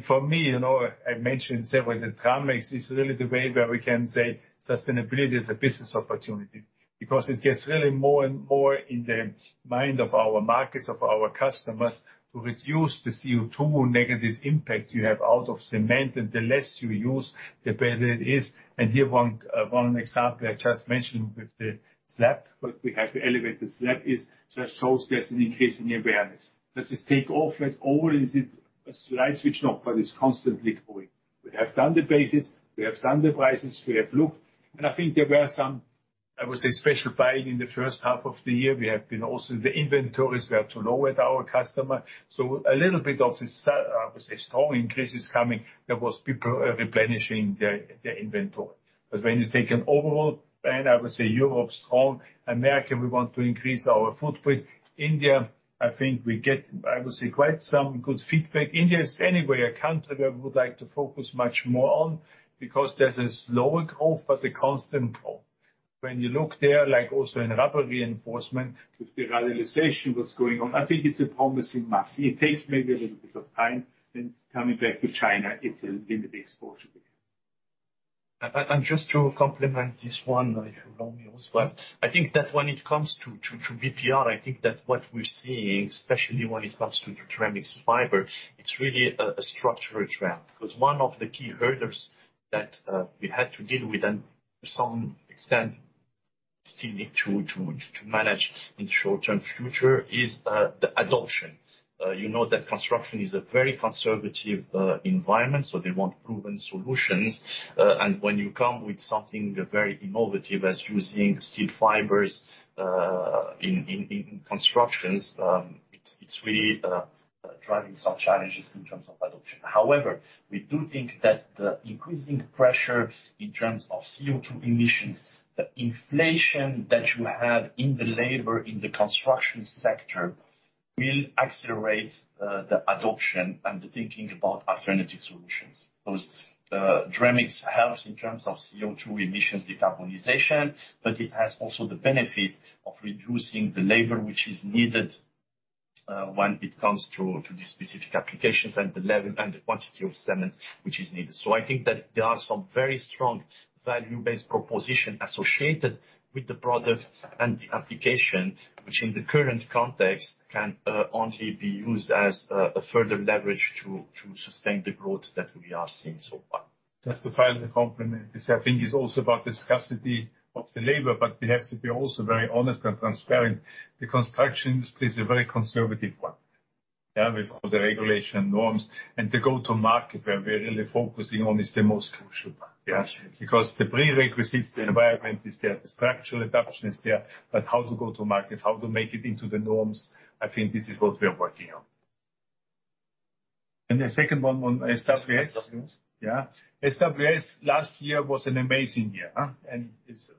For me, you know, I mentioned several, the Dramix is really the way where we can say sustainability is a business opportunity because it gets really more and more in the mind of our markets, of our customers to reduce the CO2 negative impact you have out of cement, and the less you use, the better it is. Here one example I just mentioned with the slab, but we have to elevate the slab is just shows there's an increase in the awareness. Does this take off at all or is it a light switch? No, but it's constantly growing. We have done the basis, we have done the prices, we have looked, and I think there were some, I would say, special buying in the first half of the year. We have been also the inventories we have to lower at our customer. A little bit of this, I would say strong increase is coming. There was people replenishing their inventory. When you take an overall trend, I would say Europe's strong. America, we want to increase our footprint. India, I think we get, I would say, quite some good feedback. India is anyway a country where we would like to focus much more on because there's a slower growth but a constant growth. When you look there, like also in Rubber Reinforcement, with the radialization what's going on, I think it's a promising market. It takes maybe a little bit of time, and coming back to China, it's a little bit exposure there. Just to complement this one, if you allow me also. Yes. I think that when it comes to BPR, I think that what we're seeing, especially when it comes to the steel fiber, it's really a structural trap. Because one of the key hurdles that we had to deal with, and to some extent still need to manage in short-term future, is the adoption. You know that construction is a very conservative environment, so they want proven solutions. When you come with something very innovative as using steel fibers in constructions, it's really driving some challenges in terms of adoption. However, we do think that the increasing pressure in terms of CO2 emissions, the inflation that you have in the labor, in the construction sector will accelerate the adoption and the thinking about alternative solutions. Those Dramix help in terms of CO2 emissions decarbonization, but it has also the benefit of reducing the labor which is needed, when it comes to the specific applications and the quantity of cement which is needed. I think that there are some very strong value proposition associated with the product and the application, which in the current context can only be used as a further leverage to sustain the growth that we are seeing so far. Just to finally complement this, I think it's also about the scarcity of the labor, but we have to be also very honest and transparent. The construction industry is a very conservative one, yeah, with all the regulatory norms. The go-to-market, where we're really focusing on, is the most crucial part. Got you. Because the prerequisites, the environment is there, the structural adoption is there. How to go to market, how to make it into the norms, I think this is what we are working on. The second one on SWS. SWS. Yeah. SWS last year was an amazing year, huh? It's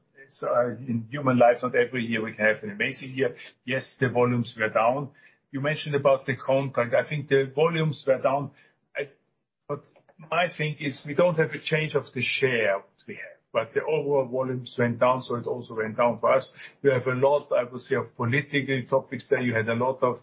in human life, not every year we have an amazing year. Yes, the volumes were down. You mentioned about the contract. I think the volumes were down. My thing is we don't have a change of the share which we have. The overall volumes went down, so it also went down for us. We have a lot, I would say, of political topics there. You had a lot of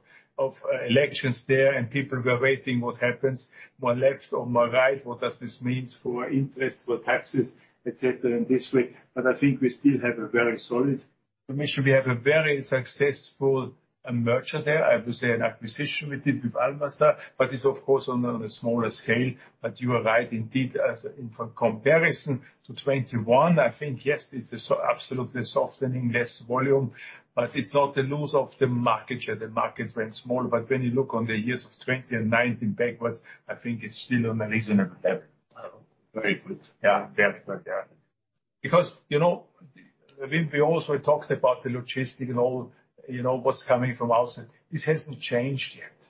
elections there, and people were waiting what happens. More left or more right, what does this means for interest, for taxes, et cetera, in this way. I think we still have a very solid position. We have a very successful merger there. I would say an acquisition we did with Almasa. It's of course on a smaller scale. You are right indeed, as in for comparison to 21, I think, yes, it is absolutely softening less volume. It's not the loss of the market share. The market went small. When you look on the years of 2020 and 2019 backwards, I think it's still on a reasonable level. Very good. Yeah. Very good. Yeah. Because, you know, we also talked about the logistics and all, you know, what's coming from outside. This hasn't changed yet,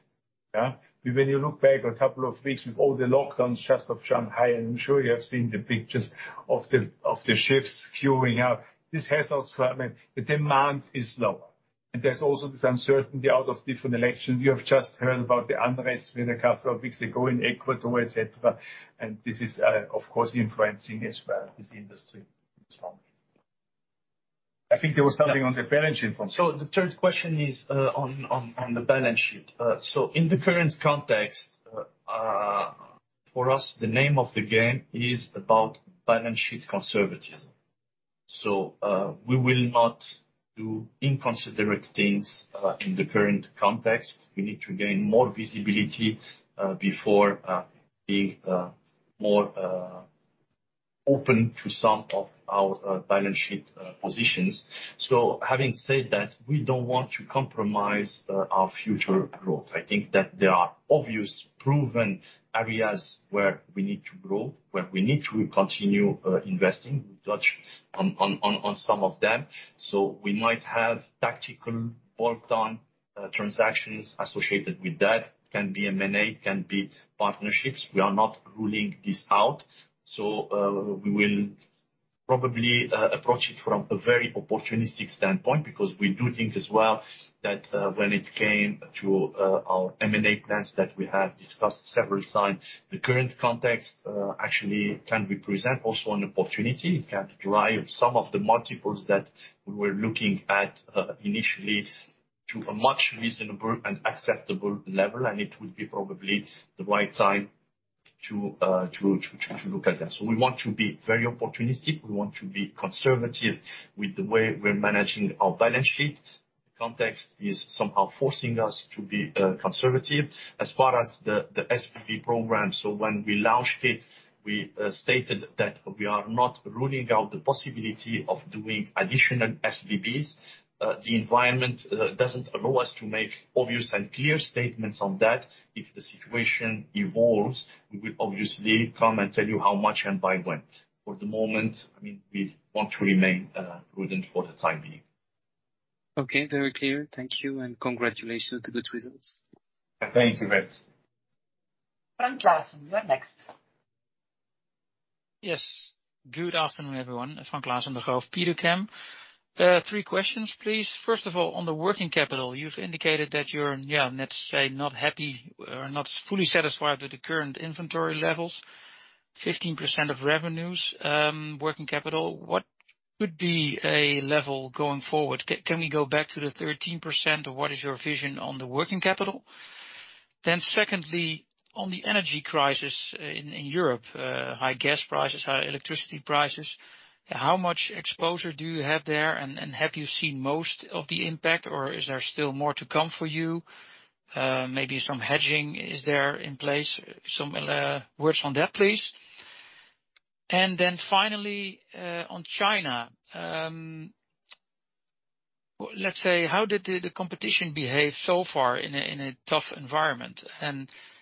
yeah? When you look back a couple of weeks with all the lockdowns just off Shanghai, and I'm sure you have seen the pictures of the ships queuing up. This has also. I mean, the demand is lower. There's also this uncertainty out of different elections. You have just heard about the unrest a couple of weeks ago in Ecuador, et cetera. This is, of course, influencing as well, this industry as well. I think there was something on the balance sheet also. The third question is on the balance sheet. In the current context, for us, the name of the game is about balance sheet conservatism. We will not do inconsiderate things in the current context. We need to gain more visibility before being more open to some of our balance sheet positions. Having said that, we don't want to compromise our future growth. I think that there are obvious proven areas where we need to grow, where we need to continue investing. We touched on some of them. We might have tactical bolt-on transactions associated with that. Can be M&A, can be partnerships. We are not ruling this out. We will probably approach it from a very opportunistic standpoint, because we do think as well that when it came to our M&A plans that we have discussed several times, the current context actually can represent also an opportunity. It can drive some of the multiples that we were looking at initially to a much reasonable and acceptable level, and it would be probably the right time to look at that. We want to be very opportunistic. We want to be conservative with the way we're managing our balance sheet. The context is somehow forcing us to be conservative. As far as the SBB program, when we launched it, we stated that we are not ruling out the possibility of doing additional SBBs. The environment doesn't allow us to make obvious and clear statements on that. If the situation evolves, we will obviously come and tell you how much and by when. For the moment, I mean, we want to remain prudent for the time being. Okay, very clear. Thank you, and congratulations to good results. Thank you, Wim Hoste. Frank Claassen, you're next. Yes. Good afternoon, everyone. Frank Claassen of Degroof Petercam. Three questions, please. First of all, on the working capital, you've indicated that you're, let's say, not happy or not fully satisfied with the current inventory levels. 15% of revenues, working capital. What would be a level going forward? Can we go back to the 13%, or what is your vision on the working capital? Secondly, on the energy crisis in Europe, high gas prices, high electricity prices, how much exposure do you have there? Have you seen most of the impact, or is there still more to come for you? Maybe some hedging is there in place. Some words on that, please. Finally, on China, let's say, how did the competition behave so far in a tough environment?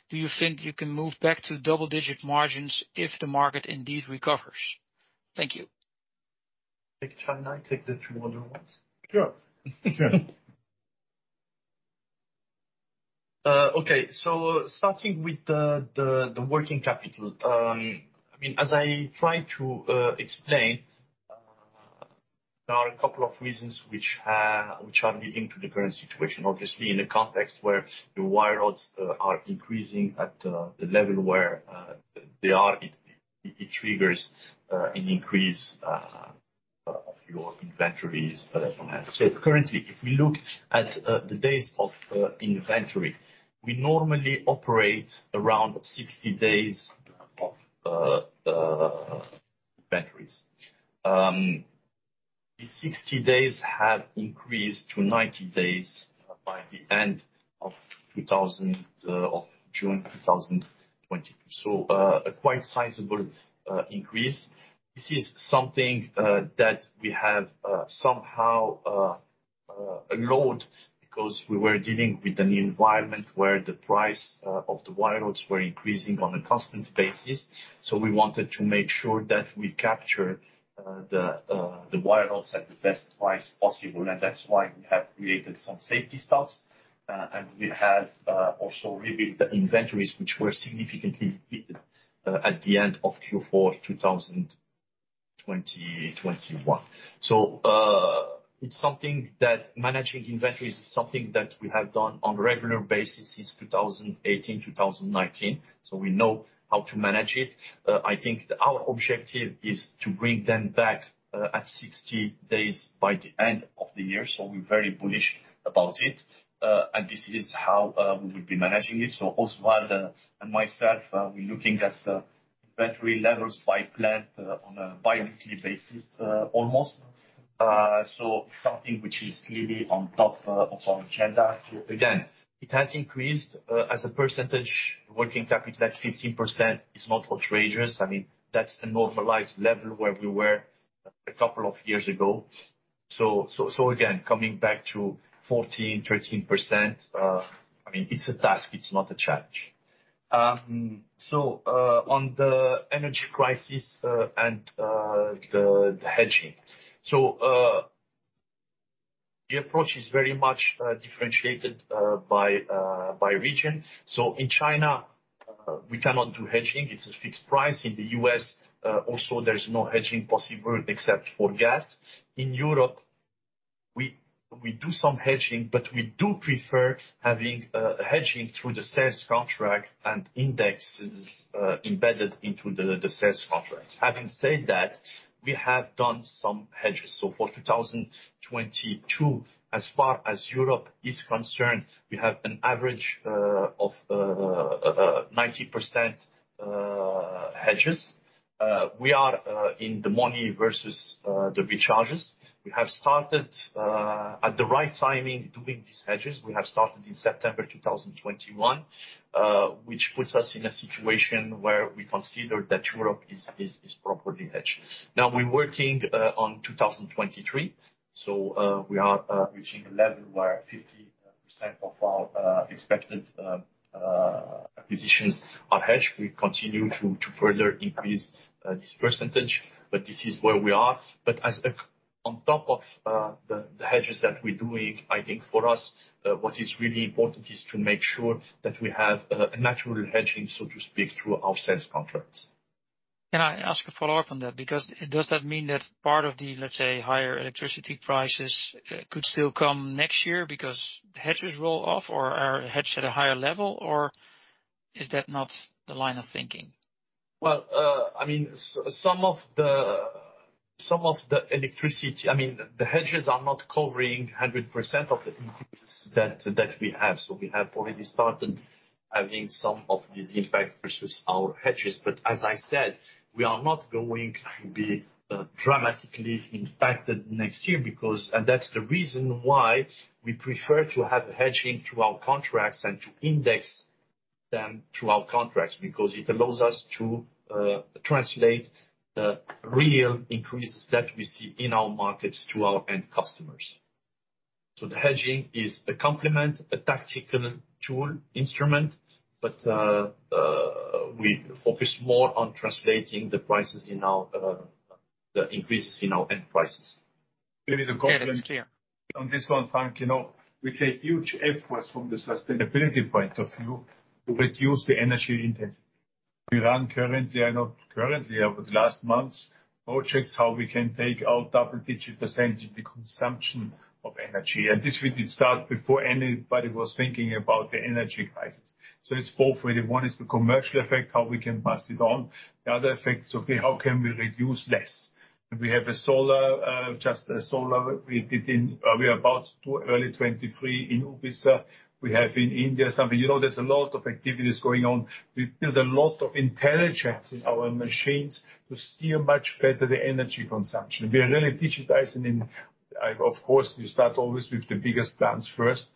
Do you think you can move back to double-digit margins if the market indeed recovers? Thank you. Take China and take the two other ones. Sure. Okay, starting with the working capital, I mean, as I tried to explain, there are a couple of reasons which are leading to the current situation. Obviously, in a context where the wire rods are increasing at the level where they are, it triggers an increase of your inventories from that. Currently, if we look at the days of inventory, we normally operate around 60 days of inventories. The 60 days have increased to 90 days by the end of 2020 or June 2020. A quite sizable increase. This is something that we have somehow allowed because we were dealing with a new environment where the price of the wire rods were increasing on a constant basis. We wanted to make sure that we captured the wire rods at the best price possible, and that's why we have created some safety stocks. We have also rebuilt the inventories which were significantly depleted at the end of Q4 2020, 2021. Managing inventory is something that we have done on a regular basis since 2018, 2019, so we know how to manage it. I think our objective is to bring them back at 60 days by the end of the year, so we're very bullish about it. This is how we will be managing it. Oswald and myself, we're looking at the inventory levels by plant on a bi-weekly basis, almost. It's something which is clearly on top of our agenda. Again, it has increased. As a percentage, working capital is at 15%. It's not outrageous. I mean, that's the normalized level where we were a couple of years ago. Again, coming back to 14%-13%, I mean, it's a task, it's not a challenge. On the energy crisis and the hedging. The approach is very much differentiated by region. In China, we cannot do hedging. It's a fixed price. In the U.S., also there's no hedging possible except for gas. In Europe, we do some hedging, but we prefer having a hedging through the sales contract and indexes embedded into the sales contracts. Having said that, we have done some hedges. For 2022, as far as Europe is concerned, we have an average of 90% hedges. We are in the money versus the recharges. We have started at the right timing doing these hedges. We have started in September 2021, which puts us in a situation where we consider that Europe is properly hedged. Now we're working on 2023, so we are reaching a level where 50% of our expected acquisitions are hedged. We continue to further increase this percentage, but this is where we are. On top of the hedges that we're doing, I think for us, what is really important is to make sure that we have a natural hedging, so to speak, through our sales contracts. Can I ask a follow-up on that? Because does that mean that part of the, let's say, higher electricity prices could still come next year because the hedges roll off, or are hedged at a higher level, or is that not the line of thinking? Well, I mean, some of the electricity. I mean, the hedges are not covering 100% of the increase that we have. We have already started having some of these impacts versus our hedges. As I said, we are not going to be dramatically impacted next year because that's the reason why we prefer to have hedging through our contracts and to index them through our contracts, because it allows us to translate the real increases that we see in our markets to our end customers. The hedging is a complement, a tactical tool, instrument, but we focus more on translating the prices in our, the increases in our end prices. Maybe to complement. Yeah, that's clear. On this one, Frank, you know, we take huge efforts from the sustainability point of view to reduce the energy intensity. We run currently, I know, over the last months, projects how we can take out double-digit % the consumption of energy. This we did start before anybody was thinking about the energy crisis. It's both way. One is the commercial effect, how we can pass it on. The other effects will be how can we reduce less? We have a solar. We are about to early 2023 in Ubisa. We have in India something. You know, there's a lot of activities going on. We build a lot of intelligence in our machines to steer much better the energy consumption. We are really digitizing in, of course, you start always with the biggest plants first,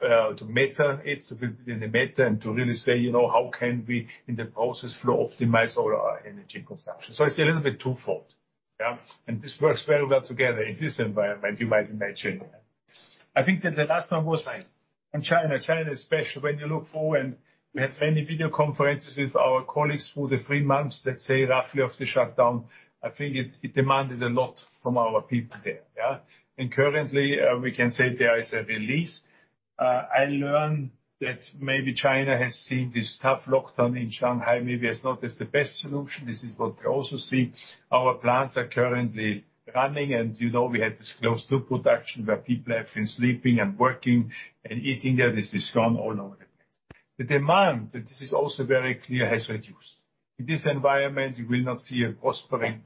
to meter it within the meter and to really say, you know, how can we, in the process, flow optimize all our energy consumption. So it's a little bit twofold. Yeah? This works very well together in this environment you might imagine. I think that the last one was on China. China is special. When you look forward, we had many video conferences with our colleagues through the three months, they say, roughly of the shutdown. I think it demanded a lot from our people there, yeah? Currently, we can say there is a release. I learned that maybe China has seen this tough lockdown in Shanghai, maybe it has not been the best solution. This is what we also see. Our plants are currently running, and you know we had this close to production where people have been sleeping and working and eating there. This is gone all over the place. The demand, this is also very clear, has reduced. In this environment, you will not see a prospering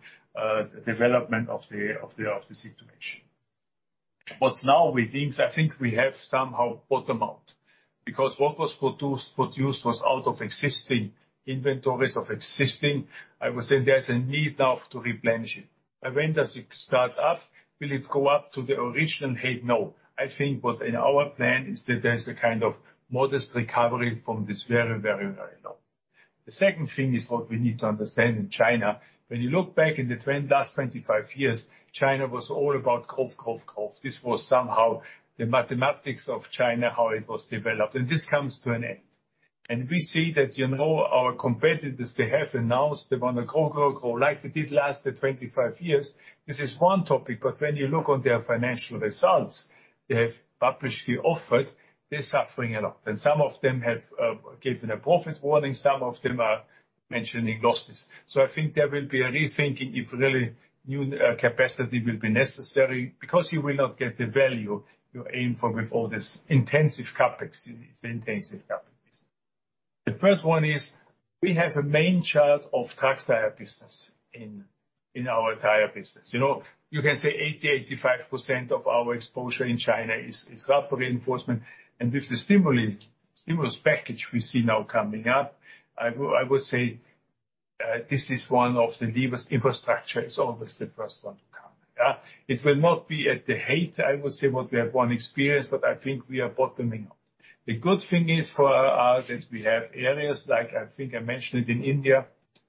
development of the situation. What now we think is I think we have somehow bottomed out because what was produced was out of existing inventories. I would say there's a need now to replenish it. When does it start up? Will it go up to the original height? No. I think what in our plan is that there's a kind of modest recovery from this very low. The second thing is what we need to understand in China. When you look back in the trend last 25 years, China was all about growth, growth. This was somehow the mathematics of China, how it was developed, and this comes to an end. We see that, you know, our competitors, they have announced they wanna grow like they did last the 25 years. This is one topic, but when you look on their financial results they have publicly offered, they're suffering a lot. Some of them have given a profit warning, some of them are mentioning losses. I think there will be a rethinking if really new capacity will be necessary because you will not get the value you aim for with all this intensive CapEx. The first one is we have a main chart of truck tire business in our tire business. You know, you can say 80%-85% of our exposure in China is Rubber Reinforcement. With the stimulus package we see now coming up, I would say this is one of the levers, infrastructure is always the first one to come. Yeah? It will not be at the height, I would say, what we have once experienced, but I think we are bottoming out. The good thing is for us is we have areas like, I think I mentioned it, in India,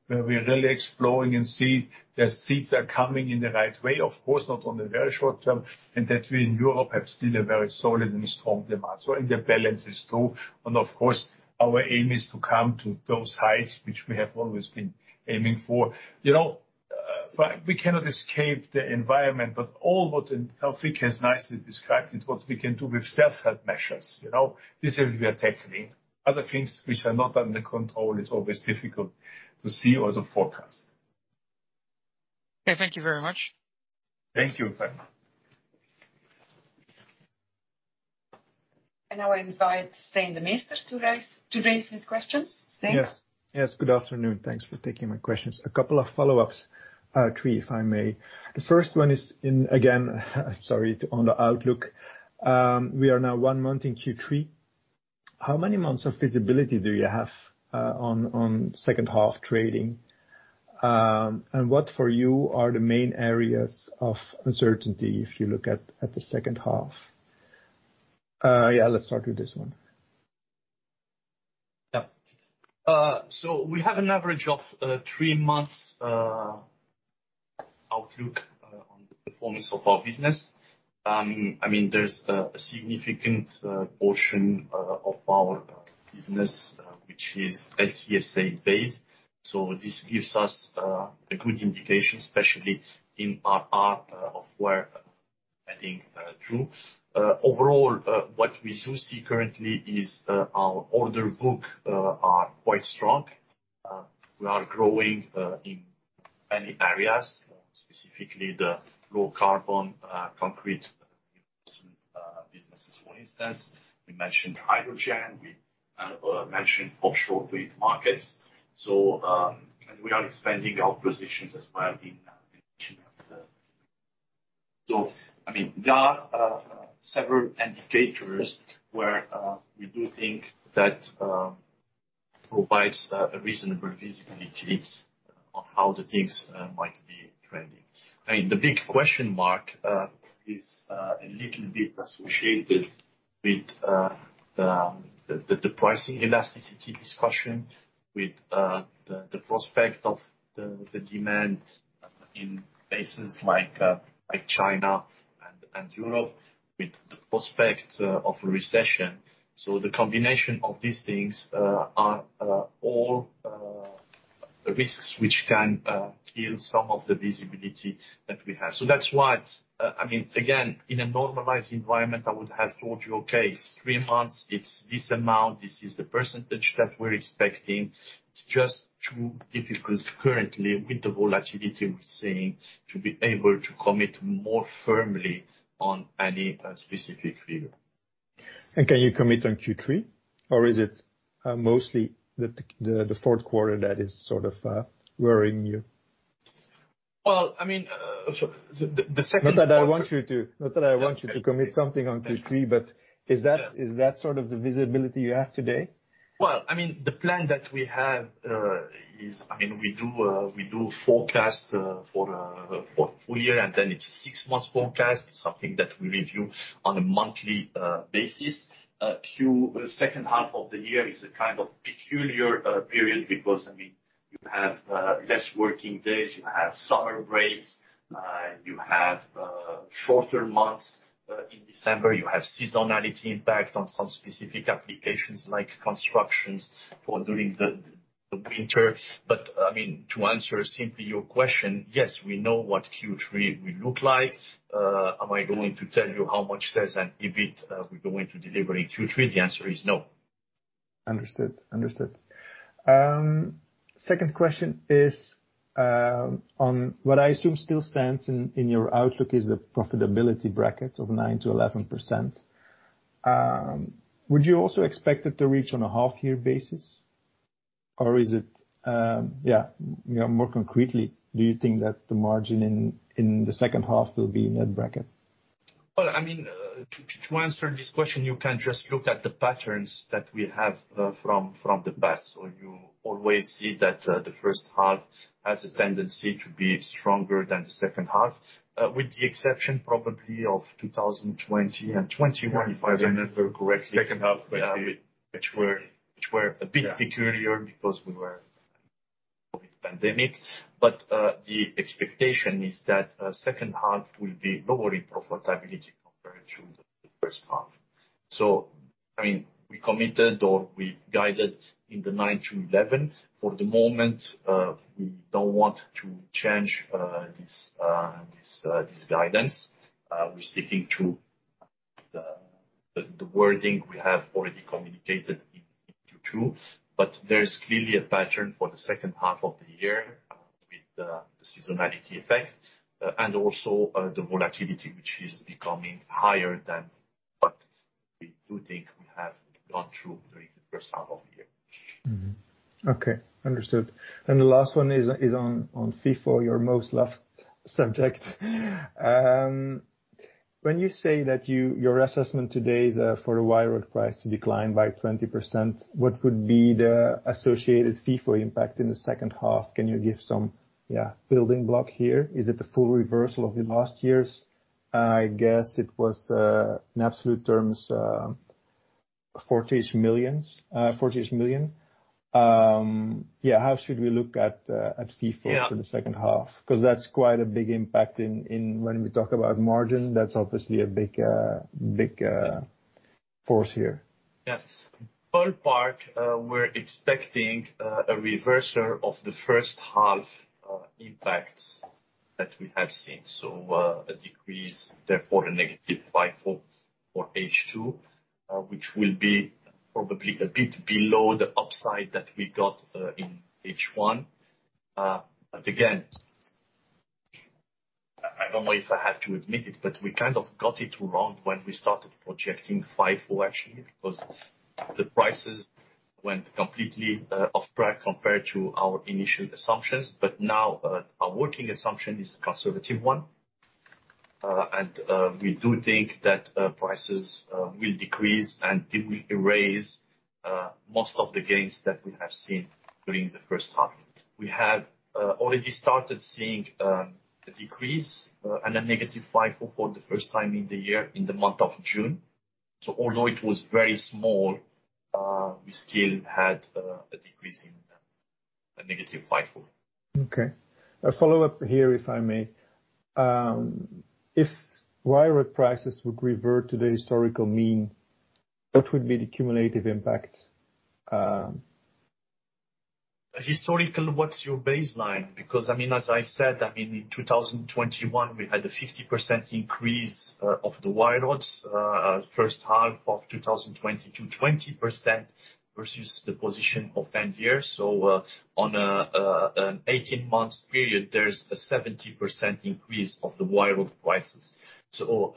where we're really exploring and see that things are coming in the right way, of course, not on the very short term, and that we in Europe have still a very solid and strong demand. In the balances too, and of course, our aim is to come to those heights which we have always been aiming for. You know, we cannot escape the environment. Taoufiq Boussaid has nicely described it, what we can do with self-help measures. You know? This is where we are tackling. Other things which are not under control is always difficult to see or to forecast. Okay, thank you very much. Thank you. Now I invite Stijn Demeester to raise his questions. Stijn? Yes. Yes, good afternoon. Thanks for taking my questions. A couple of follow-ups, three if I may. The first one is, again, sorry, on the outlook. We are now one month in Q3. How many months of visibility do you have, on second half trading? And what for you are the main areas of uncertainty if you look at the second half? Yeah, let's start with this one. Yeah. We have an average of three months outlook on the performance of our business. I mean, there's a significant portion of our business which is LTSA based. This gives us a good indication, especially in our heart of where I think, Dramix. Overall, what we do see currently is our order book are quite strong. We are growing in many areas, specifically the low-carbon concrete businesses, for instance. We mentioned hydrogen. We mentioned offshore fleet markets. We are expanding our positions as well in that region as a. I mean, there are several indicators where we do think that provides a reasonable visibility on how the things might be trending. I mean, the big question mark is a little bit associated with the pricing elasticity discussion with the prospect of the demand in places like China and Europe with the prospect of a recession. The combination of these things are all the risks which can kill some of the visibility that we have. That's why, I mean, again, in a normalized environment, I would have told you, "Okay, it's three months, it's this amount, this is the percentage that we're expecting." It's just too difficult currently with the volatility we're seeing to be able to commit more firmly on any specific figure. Can you commit on Q3, or is it mostly the fourth quarter that is sort of worrying you? Well, I mean, so the second- Not that I want you to commit something on Q3, but is that? Yeah. Is that sort of the visibility you have today? Well, I mean, the plan that we have is I mean, we do forecast for a full year, and then it's a six-month forecast. It's something that we review on a monthly basis. The second half of the year is a kind of peculiar period because, I mean, you have less working days, you have summer breaks, you have shorter months in December. You have seasonality impact on some specific applications like construction during the winter. I mean, to answer simply your question, yes, we know what Q3 will look like. Am I going to tell you how much sales and EBIT we're going to deliver in Q3? The answer is no. Understood. Second question is on what I assume still stands in your outlook is the profitability bracket of 9%-11%. Would you also expect it to reach on a half-year basis? Or is it? Yeah, you know, more concretely, do you think that the margin in the second half will be in that bracket? Well, I mean, to answer this question, you can just look at the patterns that we have from the past. You always see that the first half has a tendency to be stronger than the second half. With the exception probably of 2020 and 2021, if I remember correctly. Second half 2020. Which were a bit peculiar because we were in the COVID pandemic. The expectation is that second half will be lower in profitability compared to the first half. I mean, we committed or we guided in the 9%-11%. For the moment, we don't want to change this guidance. We're sticking to the wording we have already communicated in Q2. There is clearly a pattern for the second half of the year with the seasonality effect, and also, the volatility which is becoming higher than what we do think we have gone through during the first half of the year. Okay. Understood. The last one is on FIFO, your most loved subject. When you say that your assessment today is for a wire rod price to decline by 20%, what would be the associated FIFO impact in the second half? Can you give some building block here? Is it the full reversal of the last year's? I guess it was in absolute terms 40-ish million. How should we look at FIFO for the second half? Yeah. Cause that's quite a big impact in when we talk about margin, that's obviously a big force here. Yes. First part, we're expecting a reversal of the first half impacts that we have seen. A decrease, therefore a negative FIFO for H2, which will be probably a bit below the upside that we got in H1. Again, I don't know if I have to admit it, but we kind of got it wrong when we started projecting FIFO actually, because the prices went completely off track compared to our initial assumptions. Now, our working assumption is a conservative one. We do think that prices will decrease and it will erase most of the gains that we have seen during the first half. We have already started seeing a decrease and a negative FIFO for the first time in the year in the month of June. Although it was very small, we still had a decrease in the negative FIFO. Okay. A follow-up here, if I may. If wire rod prices would revert to the historical mean, what would be the cumulative impact? Historically, what's your baseline? Because, I mean, as I said, I mean, in 2021, we had a 50% increase of the wire rod. First half of 2022, 20% versus the position of end year. On a, an 18 months period, there's a 70% increase of the wire rod prices.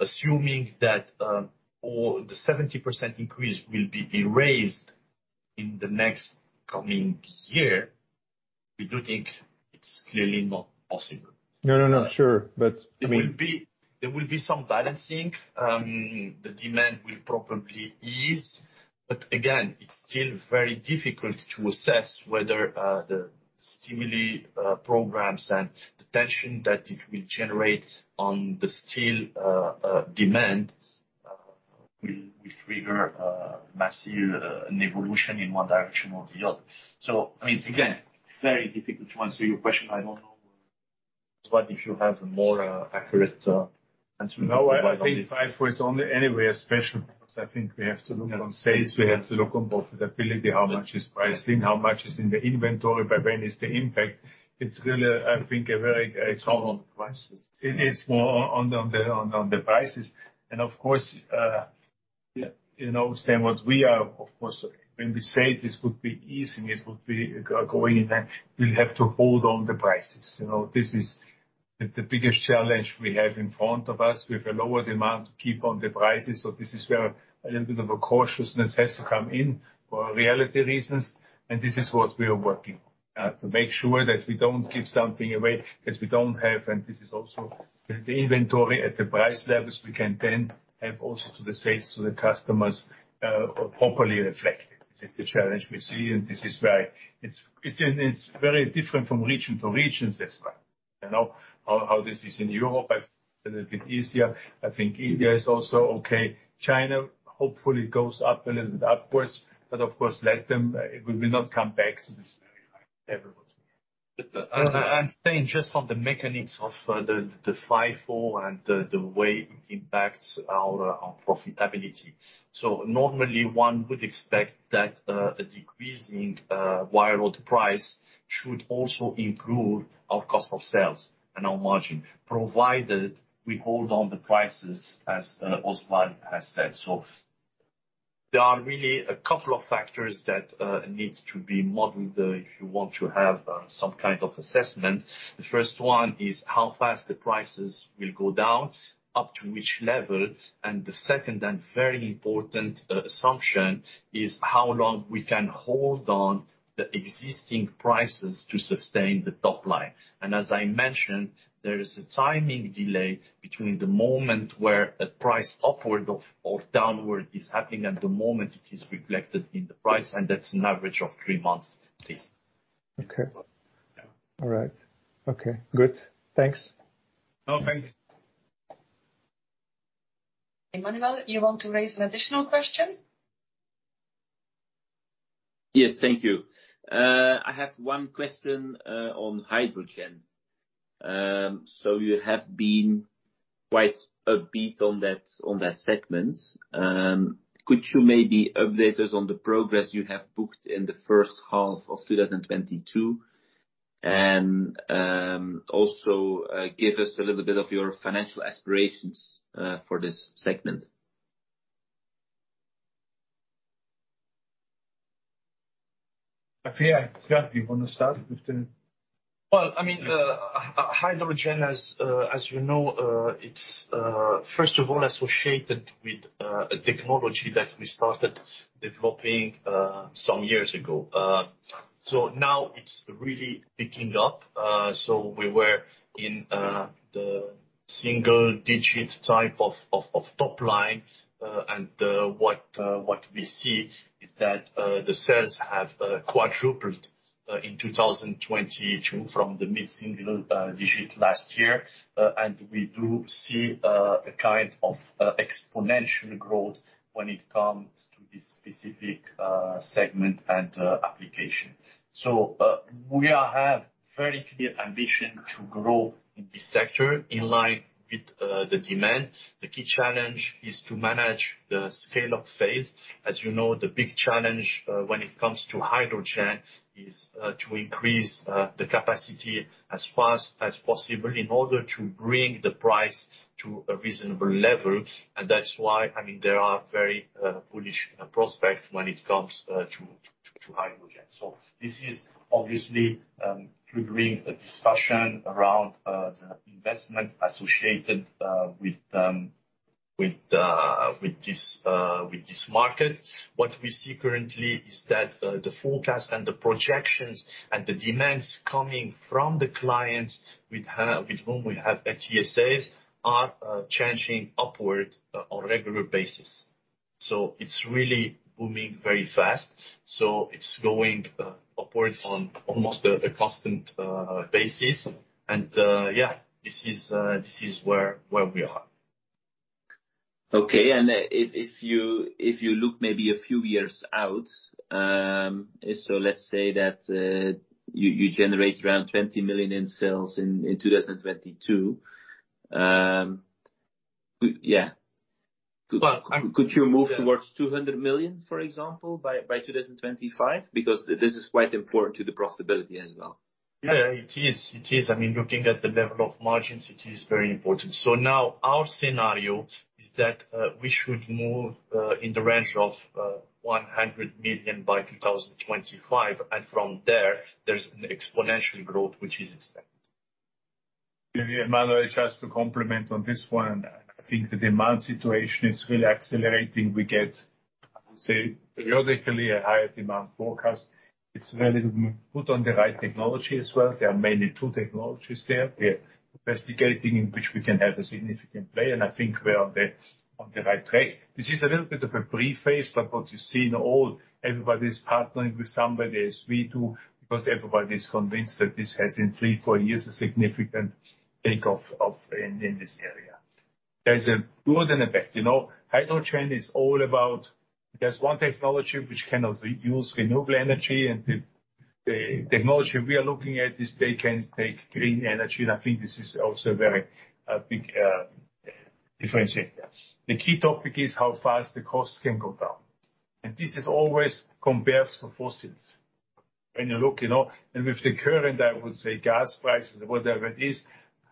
Assuming that, all the 70% increase will be erased in the next coming year, we do think it's clearly not possible. No, no. Sure. I mean. There will be some balancing. The demand will probably ease. Again, it's still very difficult to assess whether the stimuli programs and the tension that it will generate on the steel demand will trigger a massive evolution in one direction or the other. I mean, again, very difficult to answer your question. I don't know. If you have a more accurate answer. No, I think FIFO is only anyway special because I think we have to look on sales, we have to look on profitability, how much is pricing, how much is in the inventory, by when is the impact. It's really, I think, a very It's all on prices. It's more on the prices. Of course, you know, then what we are when we say this would be easing, it would be going in, we'll have to hold on the prices. You know, this is the biggest challenge we have in front of us. We have a lower demand to keep on the prices. This is where a little bit of a cautiousness has to come in for reality reasons. This is what we are working to make sure that we don't give something away that we don't have. This is also the inventory at the price levels we can then have also to the sales to the customers properly reflected. This is the challenge we see, and this is where it's very different from region to region as well. I know how this is in Europe, a little bit easier. I think India is also okay. China hopefully goes up a little bit upwards. Of course let them, we will not come back to this very high level. I'm saying just from the mechanics of the FIFO and the way it impacts our profitability. Normally one would expect that a decreasing wire rod price should also improve our cost of sales and our margin, provided we hold on the prices as Oswald has said. There are really a couple of factors that needs to be modeled if you want to have some kind of assessment. The first one is how fast the prices will go down, up to which level. The second and very important assumption is how long we can hold on the existing prices to sustain the top line. As I mentioned, there is a timing delay between the moment where a price upward or downward is happening and the moment it is reflected in the price, and that's an average of three months at least. Okay. All right. Okay, good. Thanks. No, thanks. Emmanuel, you want to raise an additional question? Yes. Thank you. I have one question on hydrogen. You have been quite upbeat on that, on that segment. Could you maybe update us on the progress you have booked in the first half of 2022? Also give us a little bit of your financial aspirations for this segment. I think, yeah, you wanna start with the. Well, I mean, hydrogen, as you know, it's first of all associated with a technology that we started developing some years ago. Now it's really picking up. We were in the single-digit type of top line. What we see is that the sales have quadrupled in 2022 from the mid-single-digit last year. We do see a kind of exponential growth when it comes to this specific segment and application. We have very clear ambition to grow in this sector in line with the demand. The key challenge is to manage the scale-up phase. As you know, the big challenge when it comes to hydrogen is to increase the capacity as fast as possible in order to bring the price to a reasonable level. That's why, I mean, there are very bullish prospects when it comes to hydrogen. This is obviously triggering a discussion around the investment associated with this market. What we see currently is that the forecast and the projections and the demands coming from the clients with whom we have LTAs are changing upward on a regular basis. It's really booming very fast. It's going upwards on almost a constant basis. Yeah, this is where we are. If you look maybe a few years out, let's say that you generate around 20 million in sales in 2022. Well, I'm Could you move towards 200 million, for example, by 2025? Because this is quite important to the profitability as well. It is. I mean, looking at the level of margins, it is very important. Now our scenario is that we should move in the range of 100 million by 2025. From there's an exponential growth which is expected. Emmanuel, just to comment on this one. I think the demand situation is really accelerating. We get, say, periodically a higher demand forecast. It's really put on the right technology as well. There are mainly two technologies there. We're investing in which we can have a significant play, and I think we're on the right track. This is a little bit of a brief phase, but what you see in all, everybody's partnering with somebody as we do, because everybody is convinced that this has in three, four years a significant takeoff in this area. There's a good and a bad. You know, hydrogen is all about there's one technology which can also use renewable energy, and the technology we are looking at is they can take green energy. I think this is also a very big differentiator. The key topic is how fast the costs can go down. This is always compared to fossils. When you look, you know. With the current, I would say, gas prices or whatever it is,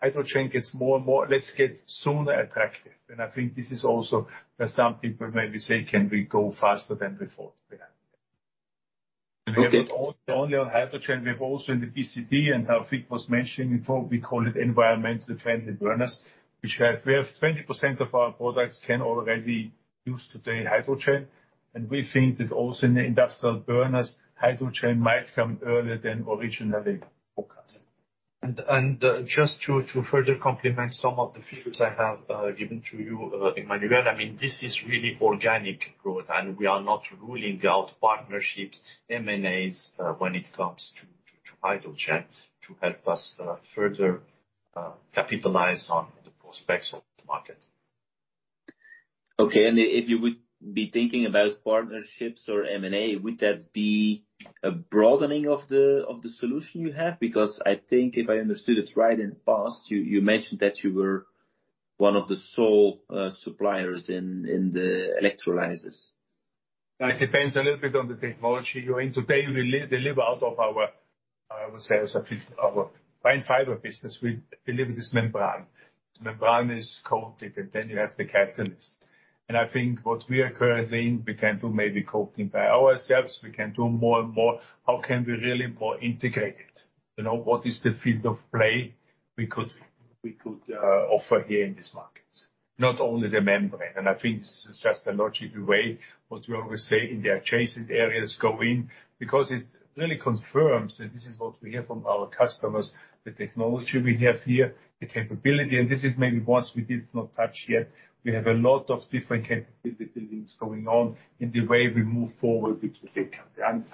hydrogen gets more and more attractive, and it gets attractive sooner. I think this is also where some people maybe say, "Can we go faster than before?" Yeah. Okay. We are not only on hydrogen, we have also in the BCT, and how Taoufiq was mentioning before, we call it environmentally friendly burners, which we have 20% of our products can already use today hydrogen. We think that also in the industrial burners, hydrogen might come earlier than originally forecasted. Just to further complement some of the figures I have given to you, Emmanuel, I mean, this is really organic growth, and we are not ruling out partnerships, M&As, when it comes to hydrogen to help us further capitalize on the prospects of the market. Okay. If you would be thinking about partnerships or M&A, would that be a broadening of the solution you have? Because I think if I understood it right in the past, you mentioned that you were one of the sole suppliers in the electrolyzers. That depends a little bit on the technology. You know, today we deliver out of our, I would say it's our fine fiber business. We deliver this membrane. The membrane is coated, and then you have the catalyst. I think what we are currently, we can do maybe coating by ourselves, we can do more and more. How can we really more integrate it? You know, what is the field of play we could offer here in this market, not only the membrane. I think this is just a logical way, what we always say in the adjacent areas go in. Because it really confirms, and this is what we hear from our customers, the technology we have here, the capability. This is maybe once we did not touch yet. We have a lot of different capabilities going on in the way we move forward with the future.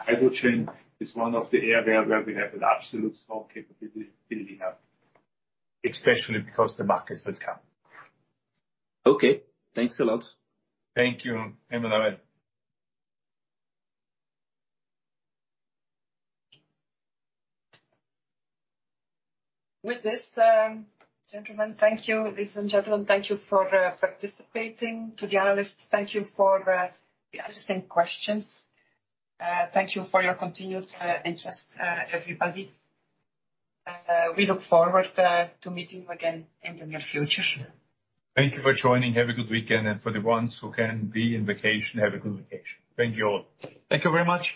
Hydrogen is one of the area where we have an absolute small capability building up, especially because the market will come. Okay, thanks a lot. Thank you, Emmanuel. With this, gentlemen, thank you, ladies and gentlemen. Thank you for participating. To the analysts, thank you for the interesting questions. Thank you for your continued interest, everybody. We look forward to meeting you again in the near future. Thank you for joining. Have a good weekend. For the ones who can be in vacation, have a good vacation. Thank you all. Thank you very much.